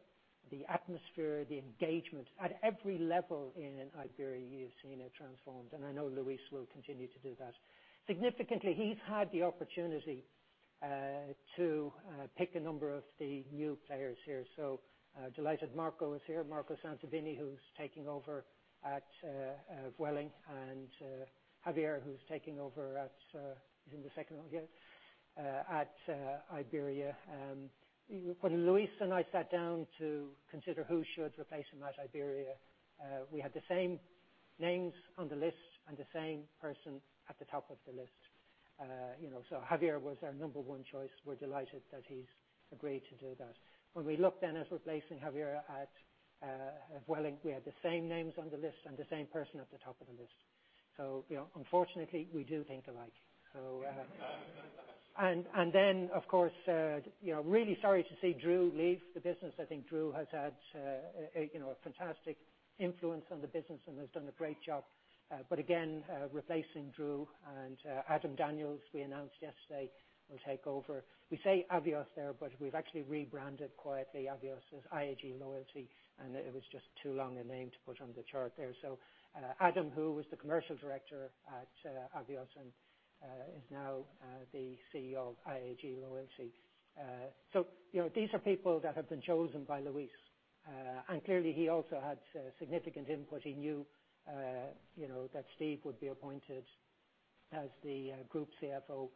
the atmosphere, the engagement. At every level in Iberia, you've seen it transformed, and I know Luis will continue to do that. Significantly, he's had the opportunity to pick a number of the new players here. Delighted Marco is here, Marco Sansavini, who's taking over at Vueling, and Javier, who's taking over at Iberia. When Luis and I sat down to consider who should replace him at Iberia, we had the same names on the list and the same person at the top of the list. Javier was our number 1 choice. We're delighted that he's agreed to do that. When we looked at replacing Javier at Vueling, we had the same names on the list and the same person at the top of the list. Unfortunately, we do think alike. Of course, really sorry to see Drew leave the business. I think Drew has had a fantastic influence on the business and has done a great job. Again, replacing Drew and Adam Daniels, we announced yesterday, will take over. We say Avios there, but we've actually rebranded quietly Avios as IAG Loyalty, and it was just too long a name to put on the chart there. Adam, who was the commercial director at Avios and is now the CEO of IAG Loyalty. These are people that have been chosen by Luis. Clearly he also had significant input. He knew that Steve would be appointed as the group CFO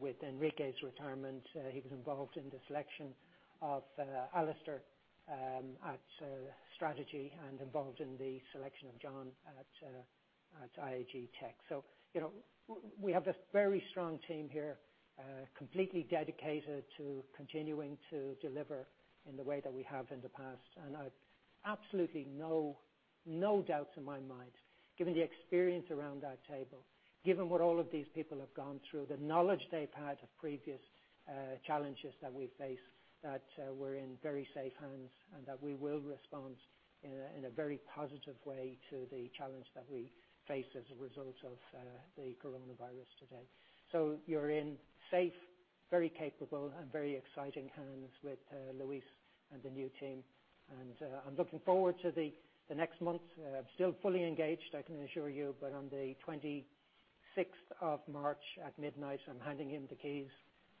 with Enrique’s retirement. He was involved in the selection of Alastair at strategy and involved in the selection of John at IAG Tech. We have a very strong team here, completely dedicated to continuing to deliver in the way that we have in the past. No doubts in my mind, given the experience around our table, given what all of these people have gone through, the knowledge they've had of previous challenges that we face, that we're in very safe hands, and that we will respond in a very positive way to the challenge that we face as a result of the coronavirus today. You're in safe, very capable, and very exciting hands with Luis and the new team. I'm looking forward to the next month. Still fully engaged, I can assure you. On the 26th of March, at midnight, I'm handing him the keys.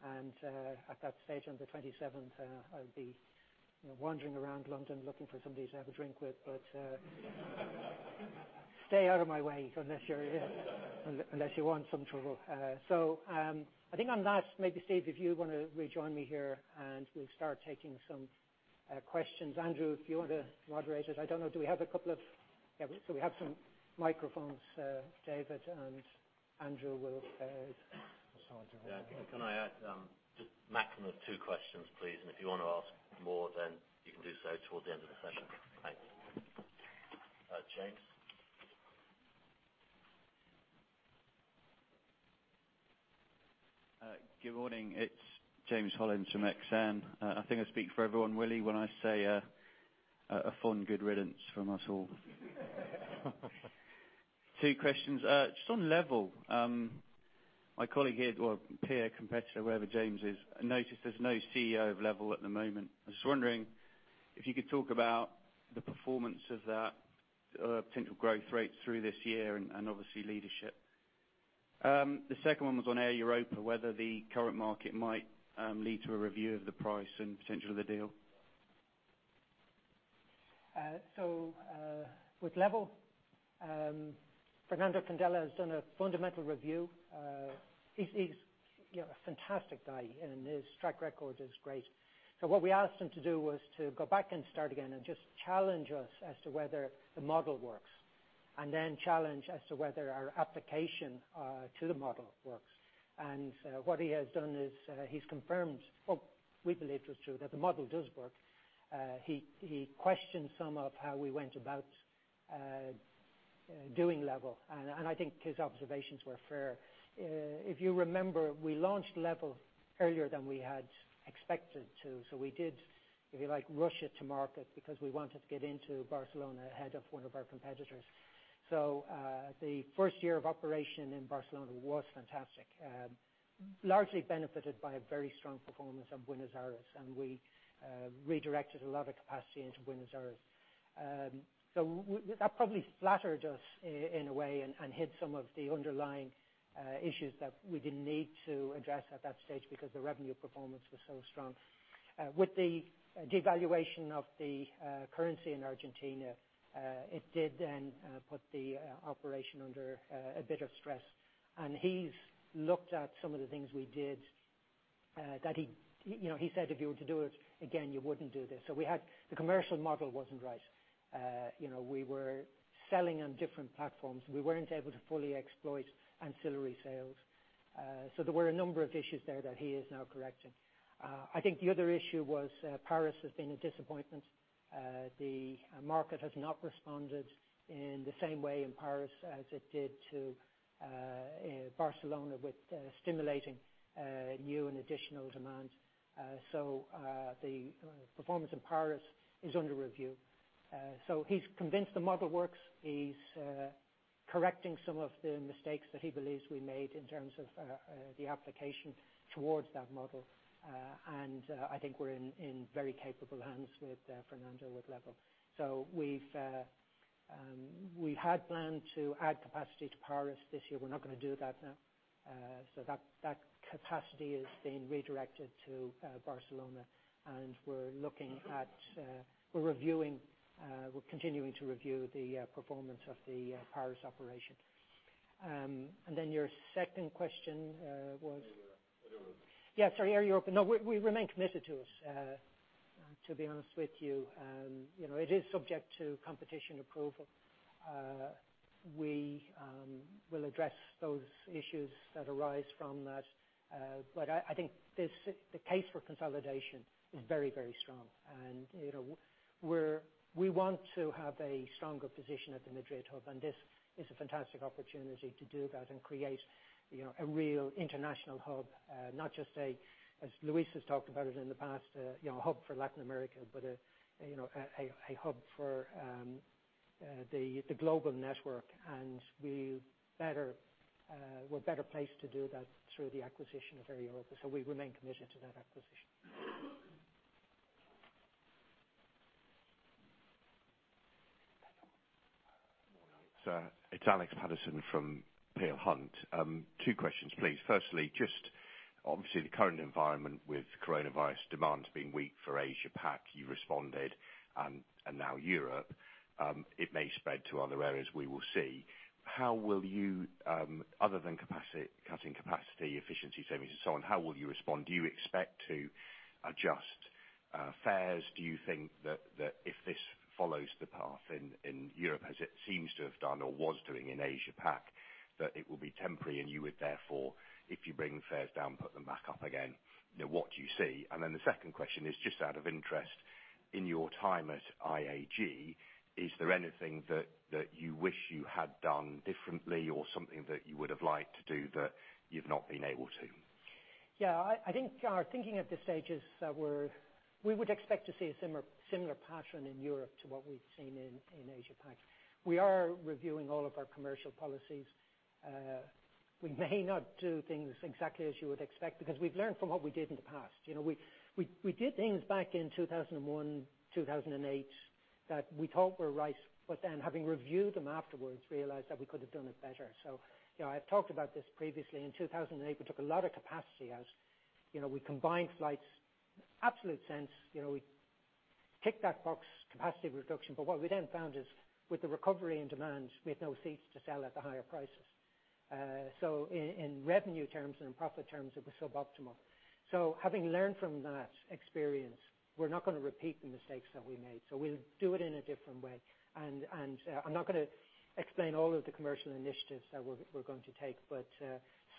At that stage, on the 27th, I'll be wandering around London looking for somebody to have a drink with. Stay out of my way unless you want some trouble. I think on that, maybe Steve, if you want to rejoin me here, and we'll start taking some questions. Andrew, if you want to moderate it. I don't know, we have some microphones. David and Andrew will Yeah. Can I add just maximum of two questions, please. If you want to ask more, then you can do so toward the end of the session. Thanks, James. Good morning. It's James Hollins from Exane. I think I speak for everyone, Willie, when I say a fond good riddance from us all. Two questions. Just on Level. My colleague here, or peer, competitor, wherever James is, noticed there's no CEO of Level at the moment. I was just wondering if you could talk about the performance of that potential growth rates through this year and obviously leadership. The second one was on Air Europa, whether the current market might lead to a review of the price and potentially the deal. With Level, Fernando Candela has done a fundamental review. He's a fantastic guy, and his track record is great. What we asked him to do was to go back and start again and just challenge us as to whether the model works, and then challenge as to whether our application to the model works. What he has done is he's confirmed what we believed was true, that the model does work. He questioned some of how we went about doing Level, and I think his observations were fair. If you remember, we launched Level earlier than we had expected to. We did, if you like, rush it to market because we wanted to get into Barcelona ahead of one of our competitors. The first year of operation in Barcelona was fantastic. Largely benefited by a very strong performance of Buenos Aires, and we redirected a lot of capacity into Buenos Aires. That probably flattered us in a way and hid some of the underlying issues that we didn't need to address at that stage because the revenue performance was so strong. With the devaluation of the currency in Argentina, it did then put the operation under a bit of stress. He's looked at some of the things we did that he said if you were to do it again, you wouldn't do this. The commercial model wasn't right. We were selling on different platforms. We weren't able to fully exploit ancillary sales. There were a number of issues there that he is now correcting. I think the other issue was Paris has been a disappointment. The market has not responded in the same way in Paris as it did to Barcelona with stimulating new and additional demand. The performance in Paris is under review. He's convinced the model works. He's correcting some of the mistakes that he believes we made in terms of the application towards that model. I think we're in very capable hands with Fernando with LEVEL. We had planned to add capacity to Paris this year. We're not going to do that now. That capacity is being redirected to Barcelona, and we're continuing to review the performance of the Paris operation. Your second question was? Air Europa. Yeah, sorry, Air Europa. No, we remain committed to it, to be honest with you. It is subject to competition approval. We will address those issues that arise from that. I think the case for consolidation is very strong. We want to have a stronger position at the Madrid hub, and this is a fantastic opportunity to do that and create a real international hub. Not just a, as Luis has talked about it in the past, a hub for Latin America, but a hub for the global network. We're better placed to do that through the acquisition of Air Europa. We remain committed to that acquisition. It's Alex Patterson from Peel Hunt. Two questions, please. Just obviously the current environment with coronavirus demands being weak for Asia Pac, you responded, and now Europe. It may spread to other areas, we will see. Other than cutting capacity, efficiency savings and so on, how will you respond? Do you expect to adjust fares? Do you think that if this follows the path in Europe as it seems to have done or was doing in Asia Pac, that it will be temporary and you would therefore, if you bring the fares down, put them back up again? What do you see? The second question is just out of interest In your time at IAG, is there anything that you wish you had done differently or something that you would have liked to do that you've not been able to? I think our thinking at this stage is that we would expect to see a similar pattern in Europe to what we've seen in Asia Pac. We are reviewing all of our commercial policies. We may not do things exactly as you would expect because we've learned from what we did in the past. We did things back in 2001, 2008, that we thought were right, having reviewed them afterwards, realized that we could have done it better. I've talked about this previously. In 2008, we took a lot of capacity out. We combined flights. Absolute sense. We ticked that box, capacity reduction. What we then found is with the recovery and demand, we had no seats to sell at the higher prices. In revenue terms and in profit terms, it was suboptimal. Having learned from that experience, we're not going to repeat the mistakes that we made. We'll do it in a different way. I'm not going to explain all of the commercial initiatives that we're going to take, but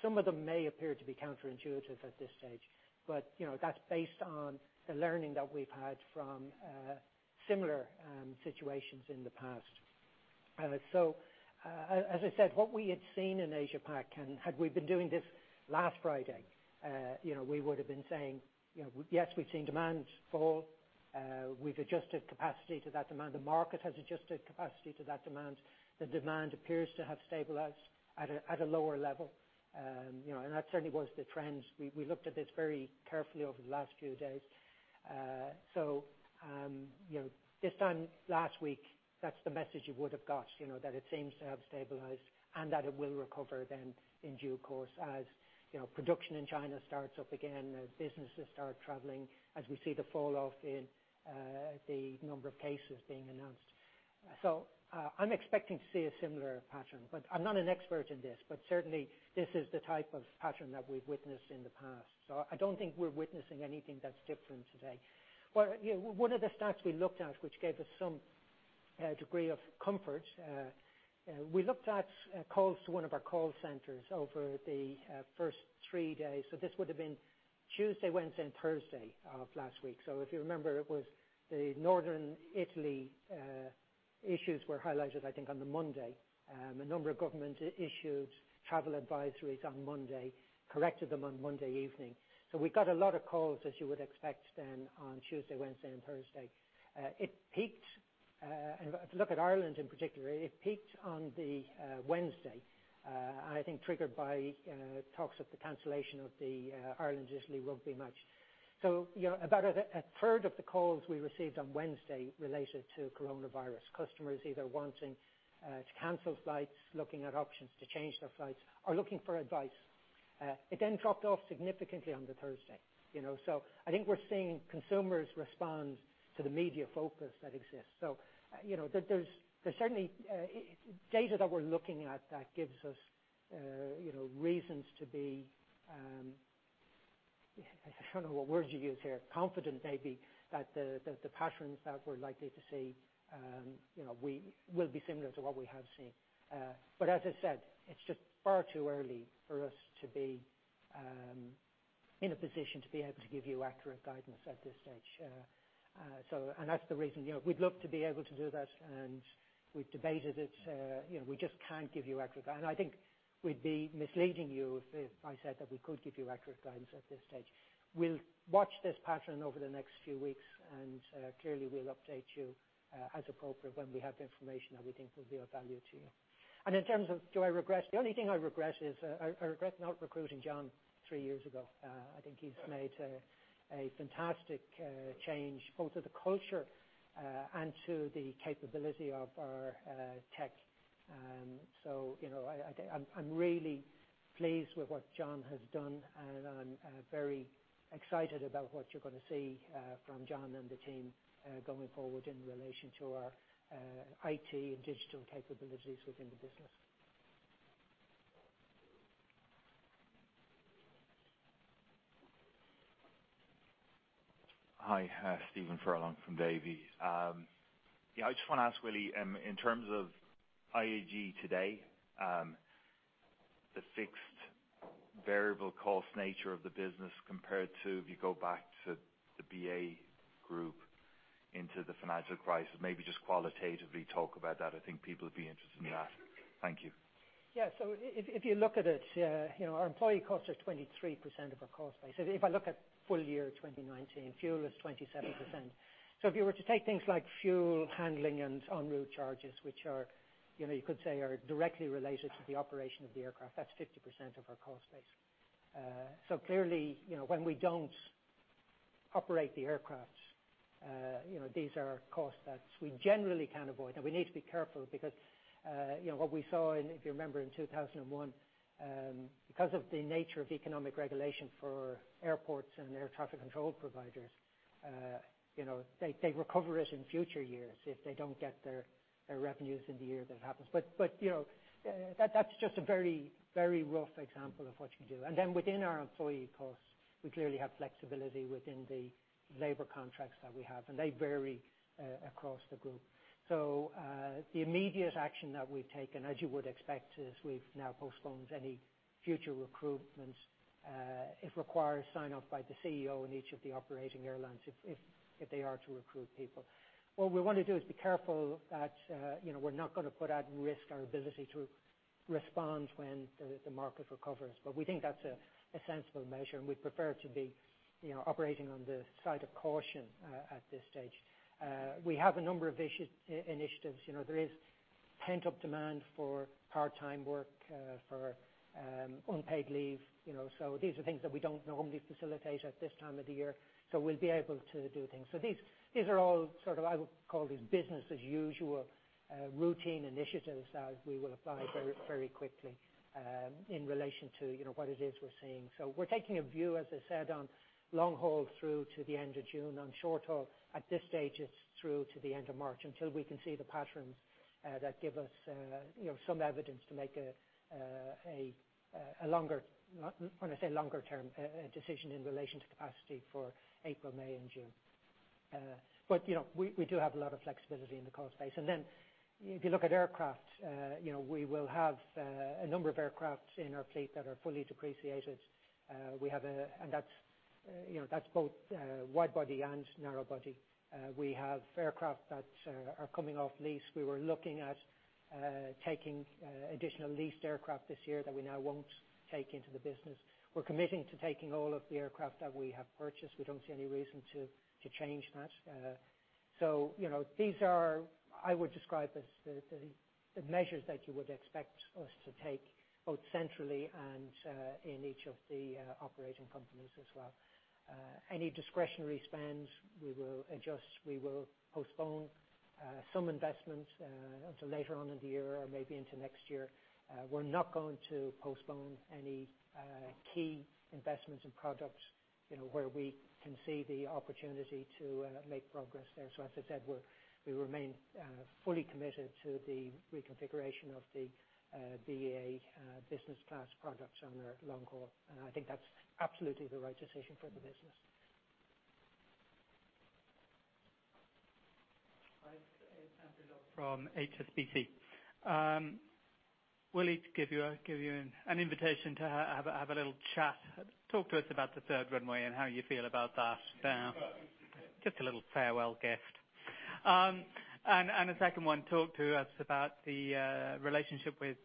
some of them may appear to be counterintuitive at this stage. That's based on the learning that we've had from similar situations in the past. As I said, what we had seen in Asia Pac, and had we been doing this last Friday, we would've been saying, yes, we've seen demand fall. We've adjusted capacity to that demand. The market has adjusted capacity to that demand. The demand appears to have stabilized at a lower level. That certainly was the trend. We looked at this very carefully over the last few days. This time last week, that's the message you would have got. It seems to have stabilized and that it will recover in due course, as production in China starts up again, businesses start traveling, as we see the fall off in the number of cases being announced. I'm expecting to see a similar pattern, I'm not an expert in this, certainly, this is the type of pattern that we've witnessed in the past. I don't think we're witnessing anything that's different today. One of the stats we looked at, which gave us some degree of comfort. We looked at calls to one of our call centers over the first three days, this would've been Tuesday, Wednesday, and Thursday of last week. If you remember, it was the Northern Italy issues were highlighted, I think, on the Monday. A number of government issued travel advisories on Monday, corrected them on Monday evening. We got a lot of calls, as you would expect then on Tuesday, Wednesday, and Thursday. It peaked, and if you look at Ireland in particular, it peaked on the Wednesday, I think triggered by talks of the cancellation of the Ireland-Italy rugby match. About a third of the calls we received on Wednesday related to coronavirus. Customers either wanting to cancel flights, looking at options to change their flights, or looking for advice. It then dropped off significantly on the Thursday. I think we're seeing consumers respond to the media focus that exists. There's certainly data that we're looking at that gives us reasons to be, I don't know what words you use here, confident maybe that the patterns that we're likely to see will be similar to what we have seen. As I said, it's just far too early for us to be in a position to be able to give you accurate guidance at this stage. That's the reason. We'd love to be able to do that, and we've debated it. We just can't give you accurate guidance. I think we'd be misleading you if I said that we could give you accurate guidance at this stage. We'll watch this pattern over the next few weeks, and clearly, we'll update you as appropriate when we have the information that we think will be of value to you. In terms of do I regret? The only thing I regret is, I regret not recruiting John three years ago. I think he's made a fantastic change both to the culture and to the capability of our tech. I'm really pleased with what John has done, and I'm very excited about what you're going to see from John and the team going forward in relation to our IT and digital capabilities within the business. Hi, Stephen Furlong from Davy. I just want to ask, Willie, in terms of IAG today, the fixed variable cost nature of the business compared to if you go back to the BA group into the financial crisis, maybe just qualitatively talk about that. I think people would be interested in that. Thank you. If you look at it, our employee costs are 23% of our cost base. If I look at full year 2019, fuel is 27%. If you were to take things like fuel handling and en route charges, which you could say are directly related to the operation of the aircraft, that's 50% of our cost base. Clearly, when we don't operate the aircraft, these are costs that we generally can avoid. We need to be careful because what we saw in, if you remember in 2001, because of the nature of economic regulation for airports and air traffic control providers, they recover it in future years if they don't get their revenues in the year that it happens. That's just a very rough example of what you do. Within our employee costs, we clearly have flexibility within the labor contracts that we have, and they vary across the group. The immediate action that we've taken, as you would expect, is we've now postponed any future recruitment. It requires sign-off by the CEO in each of the operating airlines if they are to recruit people. What we want to do is be careful that we're not going to put at risk our ability to respond when the market recovers. We think that's a sensible measure, and we'd prefer to be operating on the side of caution at this stage. We have a number of initiatives. There is pent-up demand for part-time work, for unpaid leave. These are things that we don't normally facilitate at this time of the year, so we'll be able to do things. These are all sort of, I would call these business as usual routine initiatives that we will apply very quickly in relation to what it is we're seeing. We're taking a view, as I said, on long-haul through to the end of June. On short-haul, at this stage, it's through to the end of March until we can see the patterns that give us some evidence to make a longer, when I say longer-term, decision in relation to capacity for April, May, and June. We do have a lot of flexibility in the cost base. If you look at aircraft, we will have a number of aircraft in our fleet that are fully depreciated. That's both wide body and narrow body. We have aircraft that are coming off lease. We were looking at taking additional leased aircraft this year that we now won't take into the business. We're committing to taking all of the aircraft that we have purchased. We don't see any reason to change that. These are, I would describe as the measures that you would expect us to take, both centrally and in each of the operating companies as well. Any discretionary spends, we will adjust. We will postpone some investments until later on in the year or maybe into next year. We're not going to postpone any key investments in products where we can see the opportunity to make progress there. As I said, we remain fully committed to the reconfiguration of the BA business class products on our long haul. I think that's absolutely the right decision for the business. It's Andrew from HSBC. Willie, to give you an invitation to have a little chat. Talk to us about the third runway and how you feel about that now. Just a little farewell gift. A second one, talk to us about the relationship with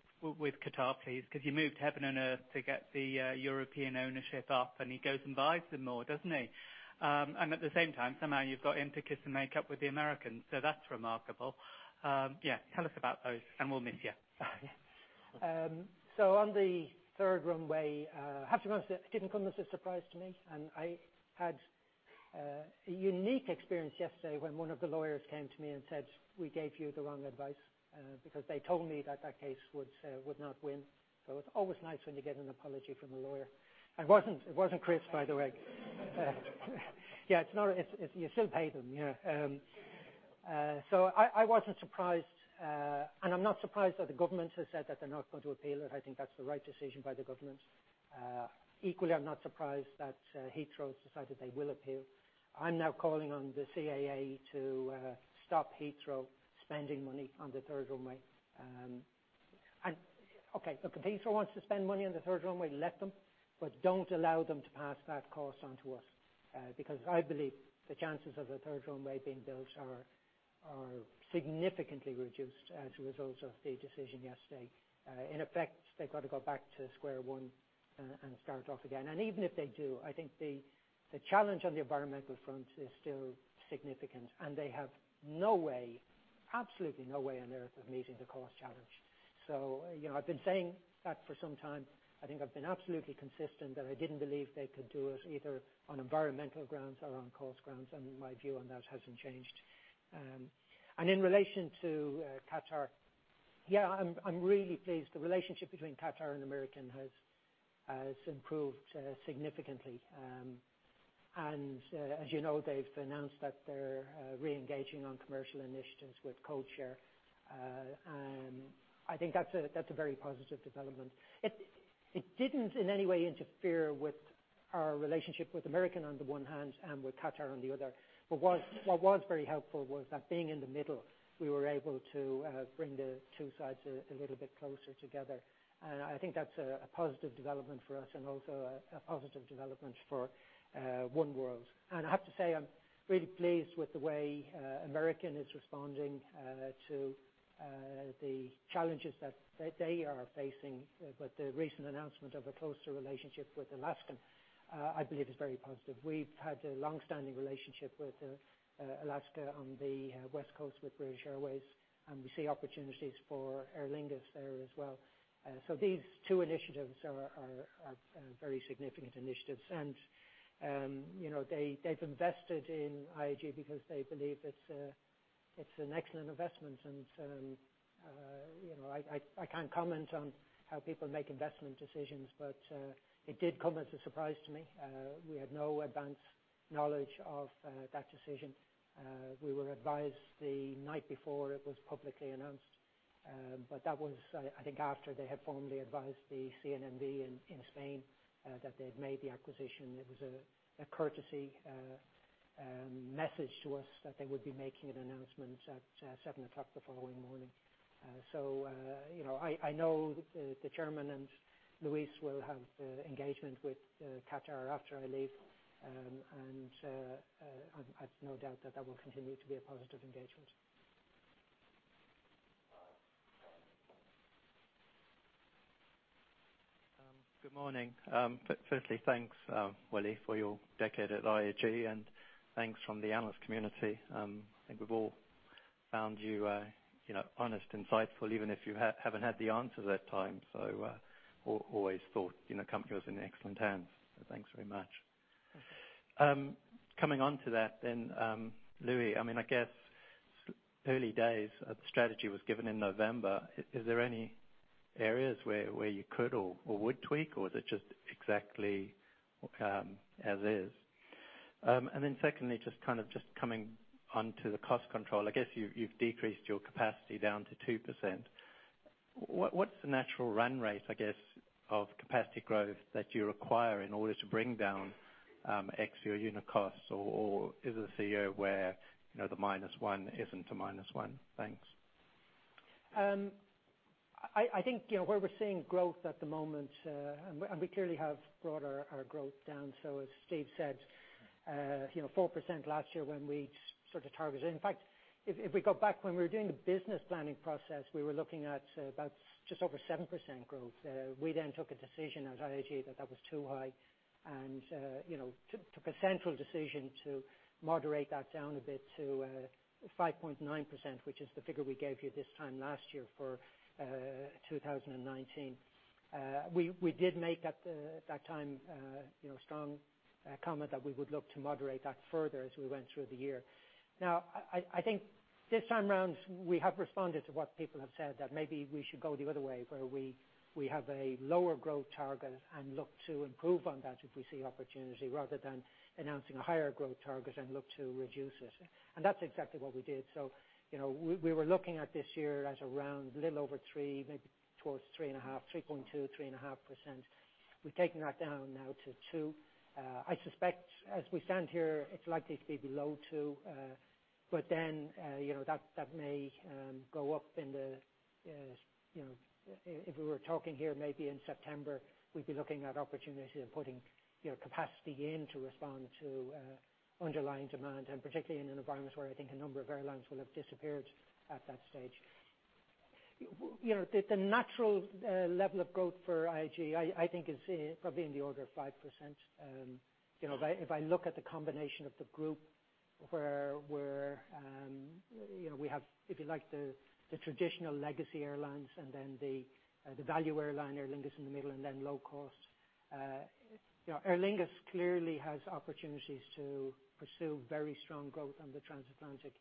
Qatar, please, because you moved heaven and earth to get the European ownership up and he goes and buys some more, doesn't he? At the same time, somehow you've got him to kiss and make up with the Americans, so that's remarkable. Yeah, tell us about those, and we'll miss you. On the third runway, I have to be honest, it didn't come as a surprise to me. I had a unique experience yesterday when one of the lawyers came to me and said, "We gave you the wrong advice." They told me that that case would not win. It's always nice when you get an apology from a lawyer. It wasn't Chris, by the way. Yeah. You still pay them. I wasn't surprised, and I'm not surprised that the government has said that they're not going to appeal it. I think that's the right decision by the government. Equally, I'm not surprised that Heathrow's decided they will appeal. I'm now calling on the CAA to stop Heathrow spending money on the third runway. Okay, look, if Heathrow wants to spend money on the third runway, let them, but don't allow them to pass that cost on to us. I believe the chances of a third runway being built are significantly reduced as a result of the decision yesterday. In effect, they've got to go back to square one and start off again. Even if they do, I think the challenge on the environmental front is still significant, and they have no way, absolutely no way on Earth of meeting the cost challenge. I've been saying that for some time. I think I've been absolutely consistent that I didn't believe they could do it either on environmental grounds or on cost grounds, and my view on that hasn't changed. In relation to Qatar, yeah, I'm really pleased. The relationship between Qatar and American has improved significantly. As you know, they've announced that they're reengaging on commercial initiatives with codeshare. I think that's a very positive development. It didn't in any way interfere with our relationship with American on the one hand and with Qatar on the other. What was very helpful was that being in the middle, we were able to bring the two sides a little bit closer together. I think that's a positive development for us and also a positive development for oneworld. I have to say, I'm really pleased with the way American is responding to the challenges that they are facing. The recent announcement of a closer relationship with Alaska, I believe, is very positive. We've had a long-standing relationship with Alaska on the West Coast with British Airways, and we see opportunities for Aer Lingus there as well. These two initiatives are very significant initiatives, and they've invested in IAG because they believe it's an excellent investment. I can't comment on how people make investment decisions, but it did come as a surprise to me. We had no advance knowledge of that decision. We were advised the night before it was publicly announced. That was, I think, after they had formally advised the CNMV in Spain that they had made the acquisition. It was a courtesy message to us that they would be making an announcement at 7:00 A.M. the following morning. I know the chairman and Luis will have engagement with Qatar after I leave, and I've no doubt that that will continue to be a positive engagement. Good morning. Firstly, thanks, Willie, for your decade at IAG, and thanks from the analyst community. I think we've all found you honest, insightful, even if you haven't had the answers at times. Always thought the company was in excellent hands, so thanks very much. Coming onto that, Luis, I guess, early days, the strategy was given in November. Is there any areas where you could or would tweak, or is it just exactly as is? Secondly, just kind of just coming onto the cost control, I guess you've decreased your capacity down to 2%. What's the natural run rate, I guess, of capacity growth that you require in order to bring down X to your unit costs? Or is it a CEO where the minus one isn't a minus one? Thanks. I think, where we're seeing growth at the moment, we clearly have brought our growth down. As Steve said, 4% last year when we sort of targeted. In fact, if we go back when we were doing the business planning process, we were looking at about just over 7% growth. We then took a decision at IAG that that was too high, and took a central decision to moderate that down a bit to 5.9%, which is the figure we gave you this time last year for 2019. We did make at that time a strong comment that we would look to moderate that further as we went through the year. Now, I think this time around, we have responded to what people have said, that maybe we should go the other way, where we have a lower growth target and look to improve on that if we see opportunity, rather than announcing a higher growth target and look to reduce it. That's exactly what we did. We were looking at this year at around a little over 3, maybe towards 3.5, 3.2, 3.5%. We've taken that down now to 2. I suspect as we stand here, it's likely to be below 2. That may go up. If we were talking here maybe in September, we'd be looking at opportunities of putting capacity in to respond to underlying demand, and particularly in an environment where I think a number of airlines will have disappeared at that stage. The natural level of growth for IAG, I think is probably in the order of 5%. If I look at the combination of the group where we have, if you like, the traditional legacy airlines and then the value airline, Aer Lingus in the middle, and then low cost. Aer Lingus clearly has opportunities to pursue very strong growth on the transatlantic.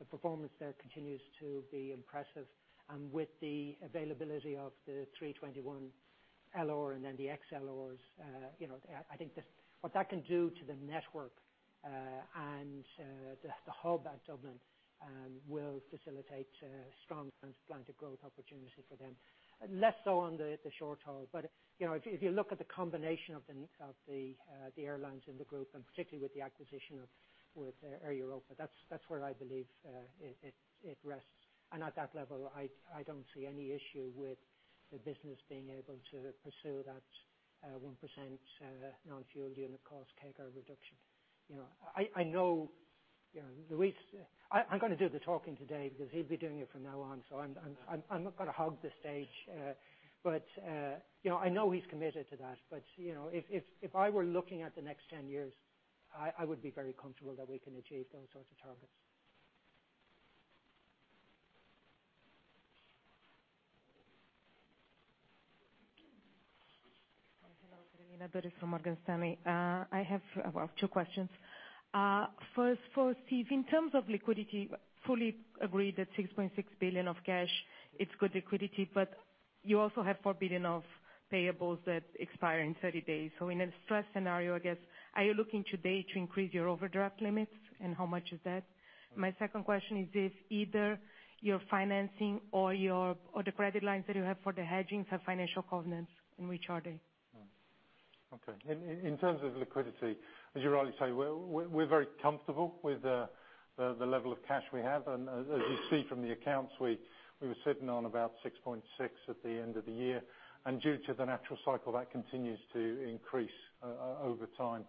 The performance there continues to be impressive. With the availability of the 321LR and then the XLRs, I think what that can do to the network and the hub at Dublin will facilitate strong transatlantic growth opportunity for them. Less so on the short haul, but if you look at the combination of the airlines in the group, and particularly with the acquisition of Air Europa, that's where I believe it rests. At that level, I don't see any issue with the business being able to pursue that 1% non-fuel unit cost CAGR reduction. I'm going to do the talking today because he'll be doing it from now on, so I'm not going to hog the stage. I know he's committed to that. If I were looking at the next 10 years, I would be very comfortable that we can achieve those sorts of targets. Hello. Carolina Budris from Morgan Stanley. I have two questions. First for Steve, in terms of liquidity, fully agree that 6.6 billion of cash, it's good liquidity. You also have 4 billion of payables that expire in 30 days. In a stress scenario, I guess, are you looking today to increase your overdraft limits, and how much is that? My second question is if either your financing or the credit lines that you have for the hedgings have financial covenants, and which are they? Okay. In terms of liquidity, as you rightly say, we're very comfortable with the level of cash we have. As you see from the accounts, we were sitting on about 6.6 at the end of the year. Due to the natural cycle, that continues to increase over time.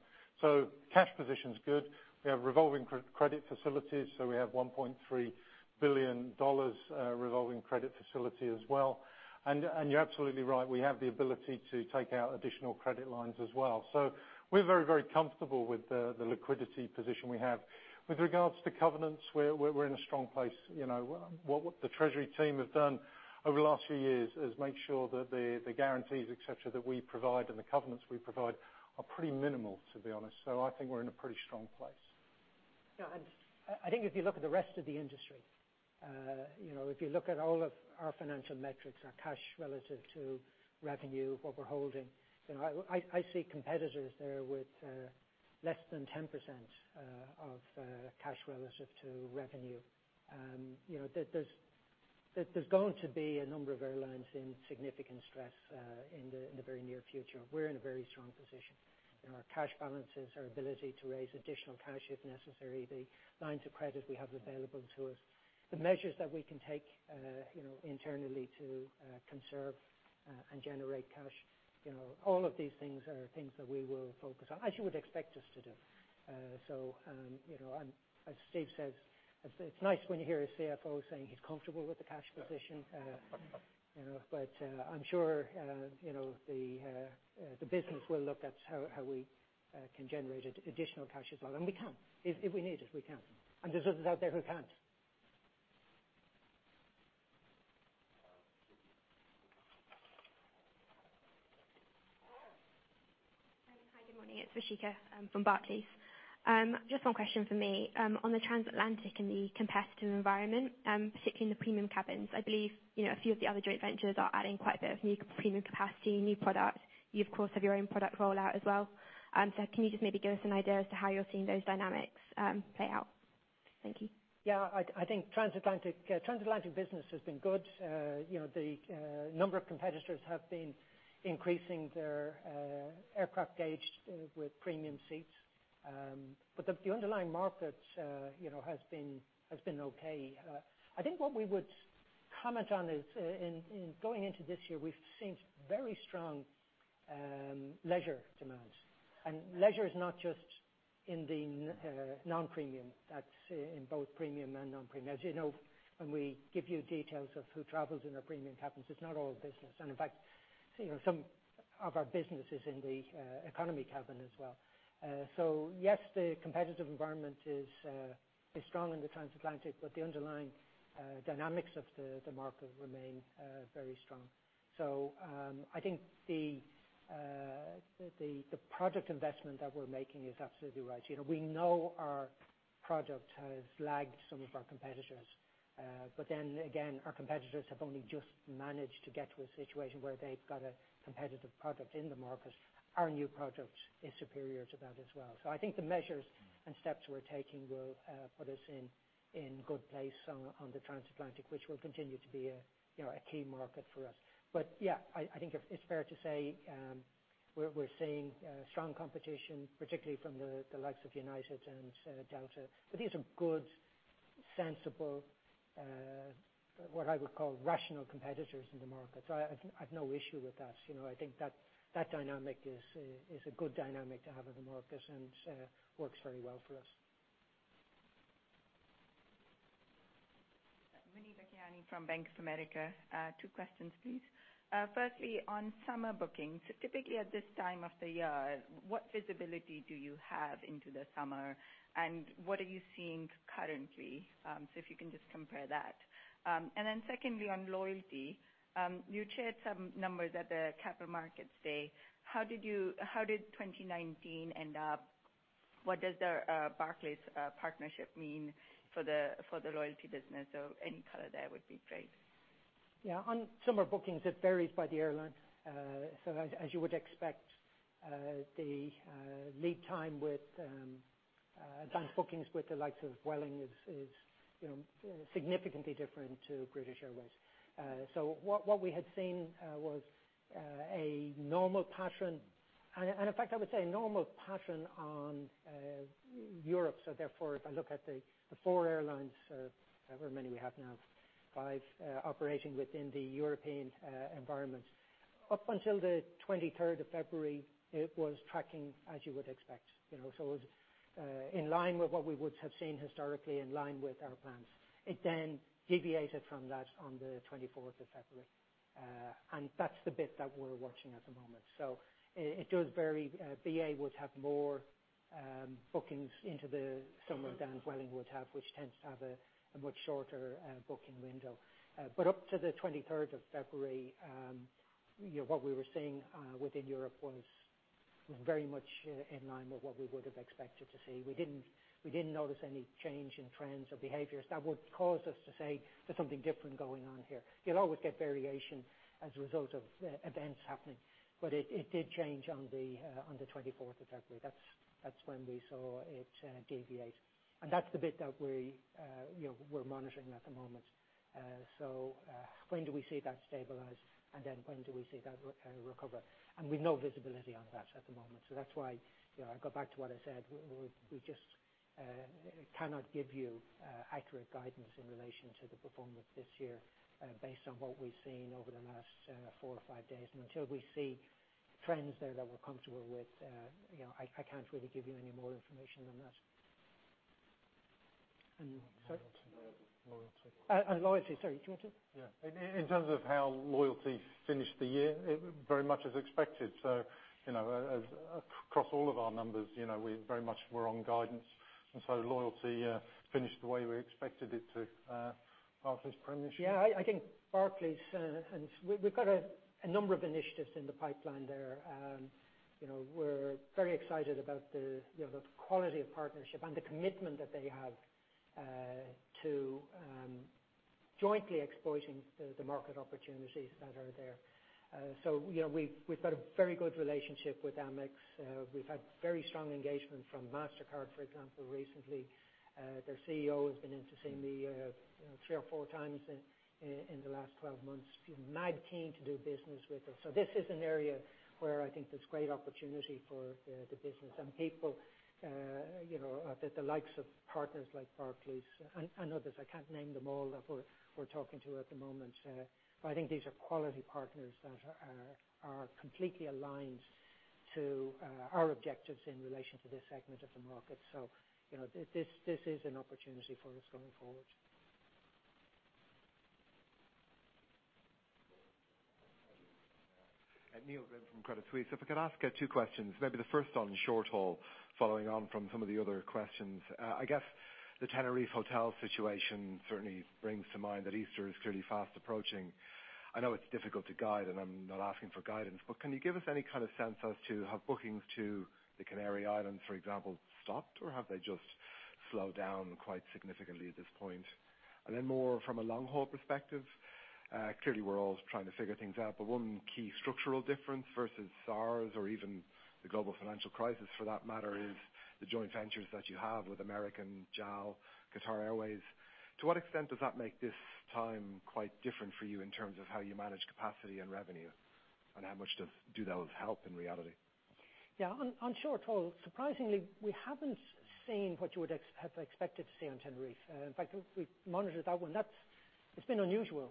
Cash position's good. We have revolving credit facilities, so we have EUR 1.3 billion revolving credit facility as well. You're absolutely right. We have the ability to take out additional credit lines as well. We're very, very comfortable with the liquidity position we have. With regards to covenants, we're in a strong place. What the treasury team have done over the last few years is make sure that the guarantees, et cetera, that we provide and the covenants we provide are pretty minimal, to be honest. I think we're in a pretty strong place. I think if you look at the rest of the industry, if you look at all of our financial metrics, our cash relative to revenue, what we're holding, I see competitors there with less than 10% of cash relative to revenue. There's going to be a number of airlines in significant stress in the very near future. We're in a very strong position. Our cash balances, our ability to raise additional cash if necessary, the lines of credit we have available to us, the measures that we can take internally to conserve and generate cash, all of these things are things that we will focus on, as you would expect us to do. As Steve says, it's nice when you hear a CFO saying he's comfortable with the cash position. I'm sure the business will look at how we can generate additional cash as well. We can. If we need it, we can. There's others out there who can't. Hi, good morning. It's Rishika from Barclays. Just one question from me. On the transatlantic, in the competitive environment, particularly in the premium cabins, I believe a few of the other joint ventures are adding quite a bit of new premium capacity, new product. You, of course, have your own product rollout as well. Can you just maybe give us an idea as to how you're seeing those dynamics play out? Thank you. Yeah. I think transatlantic business has been good. The number of competitors have been increasing their aircraft gauge with premium seats. The underlying market has been okay. I think what we would comment on is, in going into this year, we've seen very strong leisure demand. Leisure is not just in the non-premium. That's in both premium and non-premium. As you know, when we give you details of who travels in our premium cabins, it's not all business. In fact, some of our business is in the economy cabin as well. Yes, the competitive environment is strong in the transatlantic, the underlying dynamics of the market remain very strong. I think the project investment that we're making is absolutely right. We know our product has lagged some of our competitors. Again, our competitors have only just managed to get to a situation where they've got a competitive product in the market. Our new product is superior to that as well. I think the measures and steps we're taking will put us in good place on the transatlantic, which will continue to be a key market for us. Yeah, I think it's fair to say, we're seeing strong competition, particularly from the likes of United and Delta. These are good, sensible, what I would call rational competitors in the market. I've no issue with that. I think that dynamic is a good dynamic to have in the market and works very well for us. Muneeba Kayani from Bank of America. Two questions, please. Firstly, on summer bookings. Typically, at this time of the year, what visibility do you have into the summer, and what are you seeing currently? If you can just compare that. Secondly, on loyalty. You shared some numbers at the Capital Markets Day. How did 2019 end up? What does the Barclays partnership mean for the loyalty business? Any color there would be great. Yeah. On summer bookings, it varies by the airline. As you would expect, the lead time with advanced bookings with the likes of Vueling is significantly different to British Airways. What we had seen was a normal pattern. In fact, I would say a normal pattern on Europe. Therefore, if I look at the four airlines, however many we have now, five operating within the European environment. Up until the 23rd of February, it was tracking as you would expect. It was in line with what we would have seen historically, in line with our plans. It then deviated from that on the 24th of February. That's the bit that we're watching at the moment. It does vary. BA would have more bookings into the summer than Vueling would have, which tends to have a much shorter booking window. Up to the 23rd of February, what we were seeing within Europe was very much in line with what we would have expected to see. We didn't notice any change in trends or behaviors that would cause us to say there's something different going on here. You'll always get variation as a result of events happening. It did change on the 24th of February. That's when we saw it deviate. That's the bit that we're monitoring at the moment. When do we see that stabilize, and then when do we see that recover? We've no visibility on that at the moment. That's why I go back to what I said. We just cannot give you accurate guidance in relation to the performance this year based on what we've seen over the last four or five days. Until we see trends there that we're comfortable with, I can't really give you any more information than that. Sir? Loyalty. Loyalty. Sorry, do you want to? Yeah. In terms of how Loyalty finished the year, very much as expected. Across all of our numbers, we very much were on guidance. Loyalty finished the way we expected it to. Barclays partnership? Yeah. I think Barclays, we've got a number of initiatives in the pipeline there. We're very excited about the quality of partnership and the commitment that they have to jointly exploiting the market opportunities that are there. We've got a very good relationship with Amex. We've had very strong engagement from Mastercard, for example, recently. Their CEO has been in to see me three or four times in the last 12 months. Mad keen to do business with us. This is an area where I think there's great opportunity for the business and people, the likes of partners like Barclays and others, I can't name them all that we're talking to at the moment. I think these are quality partners that are completely aligned to our objectives in relation to this segment of the market. This is an opportunity for us going forward. Neil Glynn from Credit Suisse. If I could ask two questions, maybe the first on short-haul, following on from some of the other questions. I guess the Tenerife hotel situation certainly brings to mind that Easter is clearly fast approaching. I know it's difficult to guide, and I'm not asking for guidance, but can you give us any kind of sense as to have bookings to the Canary Islands, for example, stopped, or have they just slowed down quite significantly at this point? More from a long-haul perspective, clearly, we're all trying to figure things out, but one key structural difference versus SARS or even the global financial crisis, for that matter, is the joint ventures that you have with American, JAL, Qatar Airways. To what extent does that make this time quite different for you in terms of how you manage capacity and revenue, and how much do those help in reality? Yeah. On short-haul, surprisingly, we haven't seen what you would have expected to see on Tenerife. In fact, we've monitored that one. It's been unusual.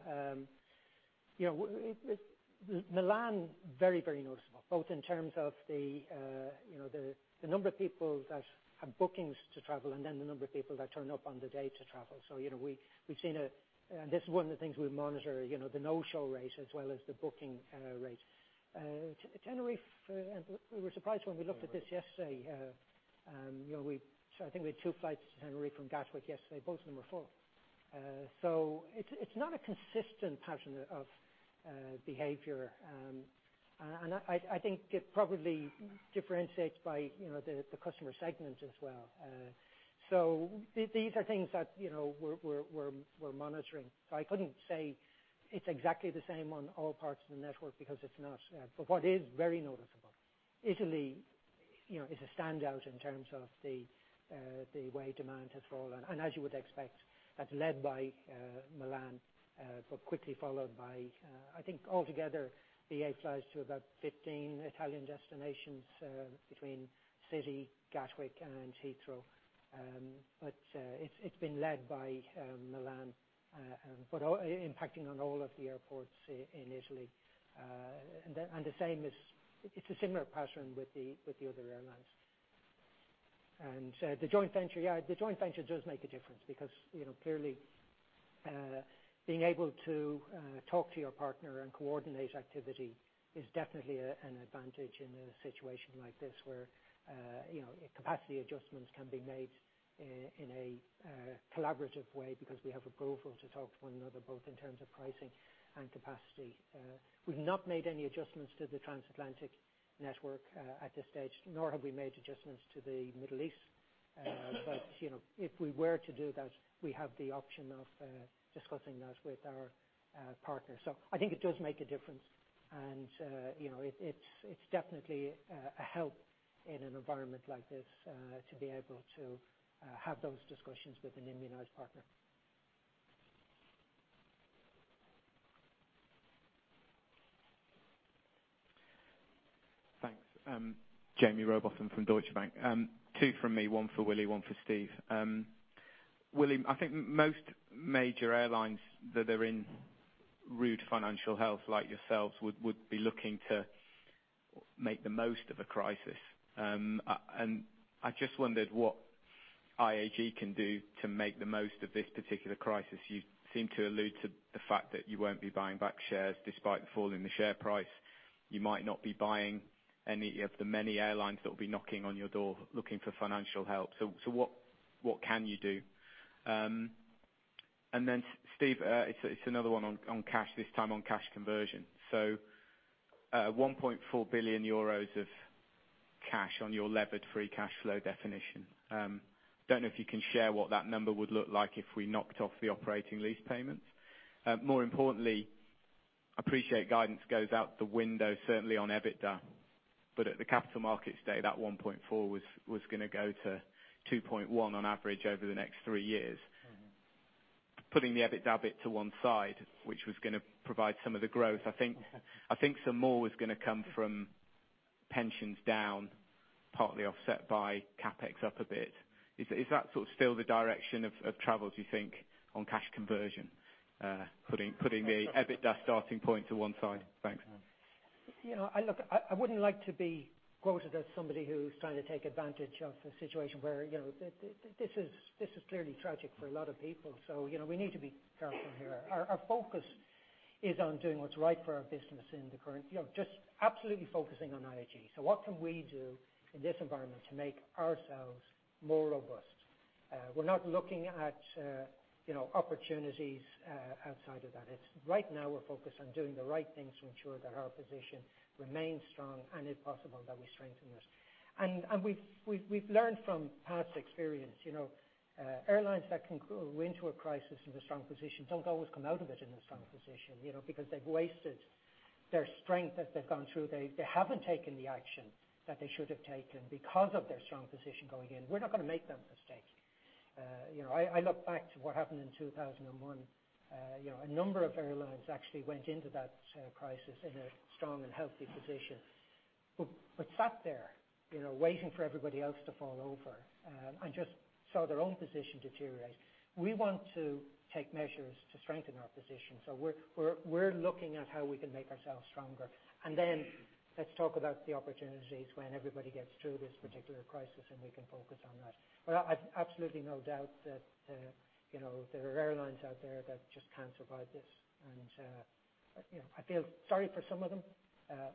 Milan, very noticeable, both in terms of the number of people that have bookings to travel and then the number of people that turn up on the day to travel. This is one of the things we monitor, the no-show rate as well as the booking rate. Tenerife, we were surprised when we looked at this yesterday. I think we had two flights to Tenerife from Gatwick yesterday. Both of them were full. It's not a consistent pattern of behavior. I think it probably differentiates by the customer segment as well. These are things that we're monitoring. I couldn't say it's exactly the same on all parts of the network because it's not. What is very noticeable, Italy is a standout in terms of the way demand has fallen. As you would expect, that's led by Milan, but quickly followed by, I think altogether BA flies to about 15 Italian destinations between City, Gatwick, and Heathrow. It's been led by Milan, but impacting on all of the airports in Italy. It's a similar pattern with the other airlines. The joint venture, yeah, the joint venture does make a difference because clearly, being able to talk to your partner and coordinate activity is definitely an advantage in a situation like this where capacity adjustments can be made in a collaborative way because we have approval to talk to one another, both in terms of pricing and capacity. We've not made any adjustments to the Transatlantic network at this stage, nor have we made adjustments to the Middle East. If we were to do that, we have the option of discussing that with our partners. I think it does make a difference, and it's definitely a help in an environment like this to be able to have those discussions with an immunized partner. Thanks. Jaime Rowbotham from Deutsche Bank. Two from me, one for Willie, one for Steve. Willie, I think most major airlines that are in rude financial health like yourselves would be looking to make the most of a crisis. I just wondered what IAG can do to make the most of this particular crisis. You seem to allude to the fact that you won't be buying back shares despite the fall in the share price. You might not be buying any of the many airlines that will be knocking on your door looking for financial help. What can you do? Steve, it's another one on cash this time, on cash conversion. 1.4 billion euros of cash on your levered free cash flow definition. Don't know if you can share what that number would look like if we knocked off the operating lease payments. More importantly, appreciate guidance goes out the window, certainly on EBITDA. At the Capital Markets Day, that 1.4 was going to go to 2.1 on average over the next three years. Putting the EBITDA bit to one side, which was going to provide some of the growth, I think some more was going to come from pensions down, partly offset by CapEx up a bit. Is that still the direction of travels, you think, on cash conversion putting the EBITDA starting point to one side? Thanks. Look, I wouldn't like to be quoted as somebody who's trying to take advantage of the situation where this is clearly tragic for a lot of people. We need to be careful here. Our focus is on doing what's right for our business just absolutely focusing on IAG. What can we do in this environment to make ourselves more robust? We're not looking at opportunities outside of that. It's right now we're focused on doing the right things to ensure that our position remains strong and if possible, that we strengthen it. We've learned from past experience. Airlines that went into a crisis in a strong position don't always come out of it in a strong position because they've wasted their strength as they've gone through, they haven't taken the action that they should have taken because of their strong position going in. We're not going to make that mistake. I look back to what happened in 2001. A number of airlines actually went into that crisis in a strong and healthy position, but sat there, waiting for everybody else to fall over, and just saw their own position deteriorate. We want to take measures to strengthen our position. We're looking at how we can make ourselves stronger, and then let's talk about the opportunities when everybody gets through this particular crisis, and we can focus on that. I've absolutely no doubt that there are airlines out there that just can't survive this, and I feel sorry for some of them.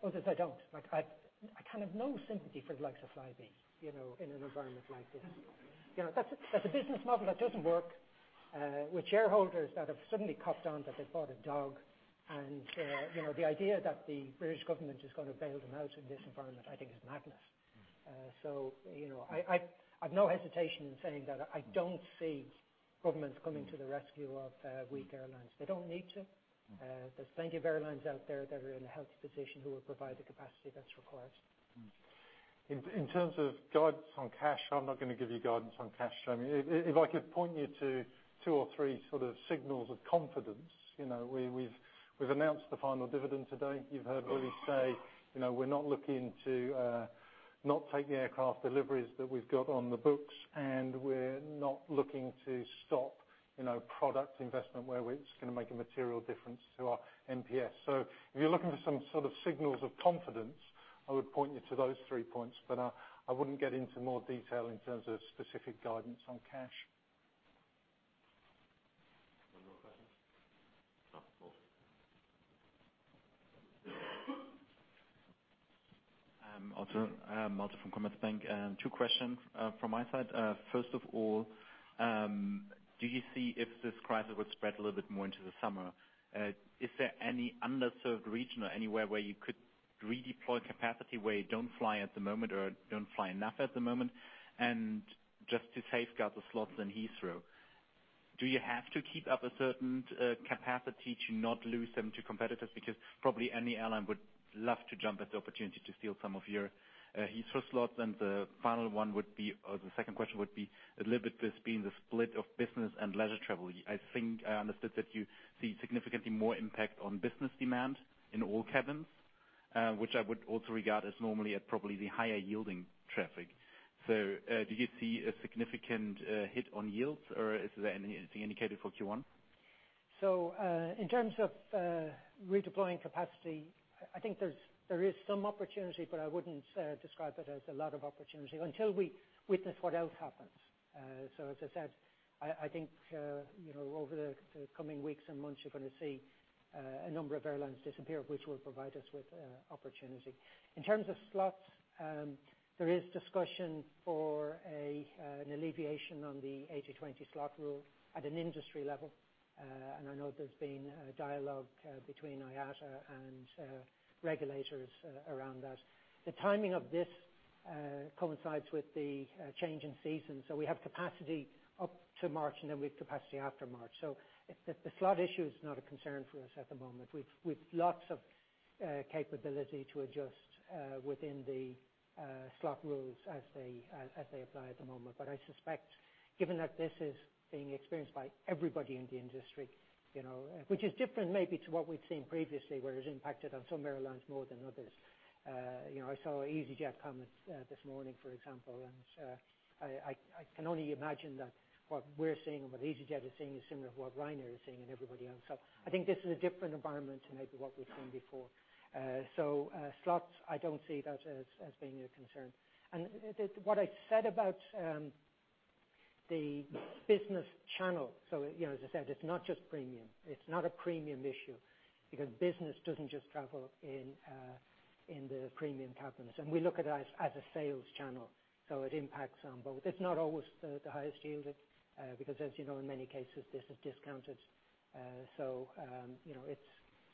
Others I don't. I have no sympathy for the likes of Flybe in an environment like this. That's a business model that doesn't work, with shareholders that have suddenly copped on that they bought a dog, the idea that the British government is going to bail them out in this environment, I think is madness. I've no hesitation in saying that I don't see governments coming to the rescue of weak airlines. They don't need to. There's plenty of airlines out there that are in a healthy position who will provide the capacity that's required. In terms of guidance on cash, I'm not going to give you guidance on cash. If I could point you to two or three sort of signals of confidence. We've announced the final dividend today. You've heard Willie say we're not looking to not take the aircraft deliveries that we've got on the books, and we're not looking to stop product investment where it's going to make a material difference to our NPS. If you're looking for some sort of signals of confidence, I would point you to those three points, but I wouldn't get into more detail in terms of specific guidance on cash. One more question. Oh, Malte. Also, I am Malte from Commerzbank. Two questions from my side. First of all, do you see if this crisis will spread a little bit more into the summer? Is there any underserved region or anywhere where you could redeploy capacity where you don't fly at the moment or don't fly enough at the moment? Just to safeguard the slots in Heathrow, do you have to keep up a certain capacity to not lose them to competitors? Because probably any airline would love to jump at the opportunity to steal some of your Heathrow slots. The final one would be, or the second question would be a little bit with being the split of business and leisure travel. I think I understood that you see significantly more impact on business demand in all cabins, which I would also regard as normally probably the higher yielding traffic. Do you see a significant hit on yields, or is there anything indicated for Q1? In terms of redeploying capacity, I think there is some opportunity, but I wouldn't describe it as a lot of opportunity until we witness what else happens. As I said, I think over the coming weeks and months, you're going to see a number of airlines disappear, which will provide us with opportunity. In terms of slots, there is discussion for an alleviation on the 80/20 slot rule at an industry level. I know there's been a dialogue between IATA and regulators around that. The timing of this coincides with the change in season. We have capacity up to March, and then we have capacity after March. The slot issue is not a concern for us at the moment. We've lots of capability to adjust within the slot rules as they apply at the moment. I suspect, given that this is being experienced by everybody in the industry, which is different maybe to what we've seen previously, where it's impacted on some airlines more than others. I saw easyJet comments this morning, for example, and I can only imagine that what we're seeing and what easyJet is seeing is similar to what Ryanair is seeing and everybody else. I think this is a different environment to maybe what we've seen before. Slots, I don't see that as being a concern. What I said about the business channel, so as I said, it's not just premium. It's not a premium issue because business doesn't just travel in the premium cabins. We look at it as a sales channel, so it impacts on both. It's not always the highest yielding, because as you know, in many cases this is discounted.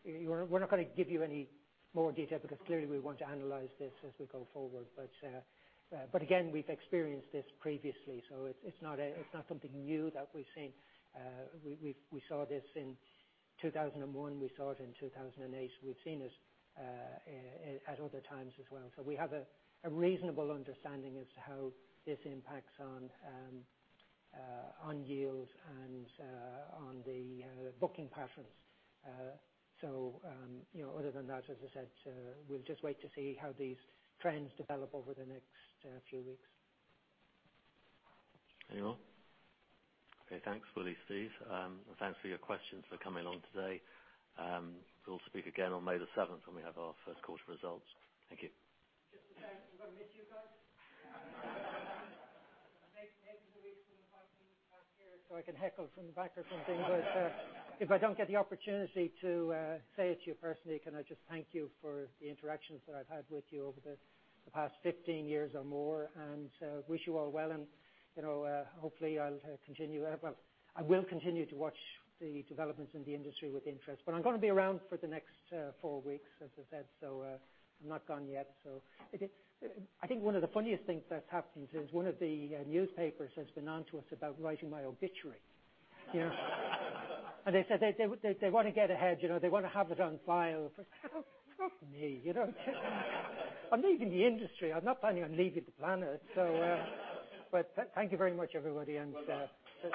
We're not going to give you any more detail because clearly we want to analyze this as we go forward. Again, we've experienced this previously, so it's not something new that we've seen. We saw this in 2001. We saw it in 2008. We've seen it at other times as well. We have a reasonable understanding as to how this impacts on yield and on the booking patterns. Other than that, as I said, we'll just wait to see how these trends develop over the next few weeks. Anyone? Okay. Thanks, Willie, Steve. Thanks for your questions for coming on today. We'll speak again on May the 7th when we have our first quarter results. Thank you. Just a second. I'm going to miss you guys. Maybe Luis can invite me back here so I can heckle from the back or something. If I don't get the opportunity to say it to you personally, can I just thank you for the interactions that I've had with you over the past 15 years or more, and wish you all well, and hopefully I'll continue. Well, I will continue to watch the developments in the industry with interest. I'm going to be around for the next four weeks, as I said, so I'm not gone yet. I think one of the funniest things that's happened is one of the newspapers has been onto us about writing my obituary. They said they want to get ahead. They want to have it on file. Not me. I'm leaving the industry. I'm not planning on leaving the planet. Thank you very much, everybody. Well done.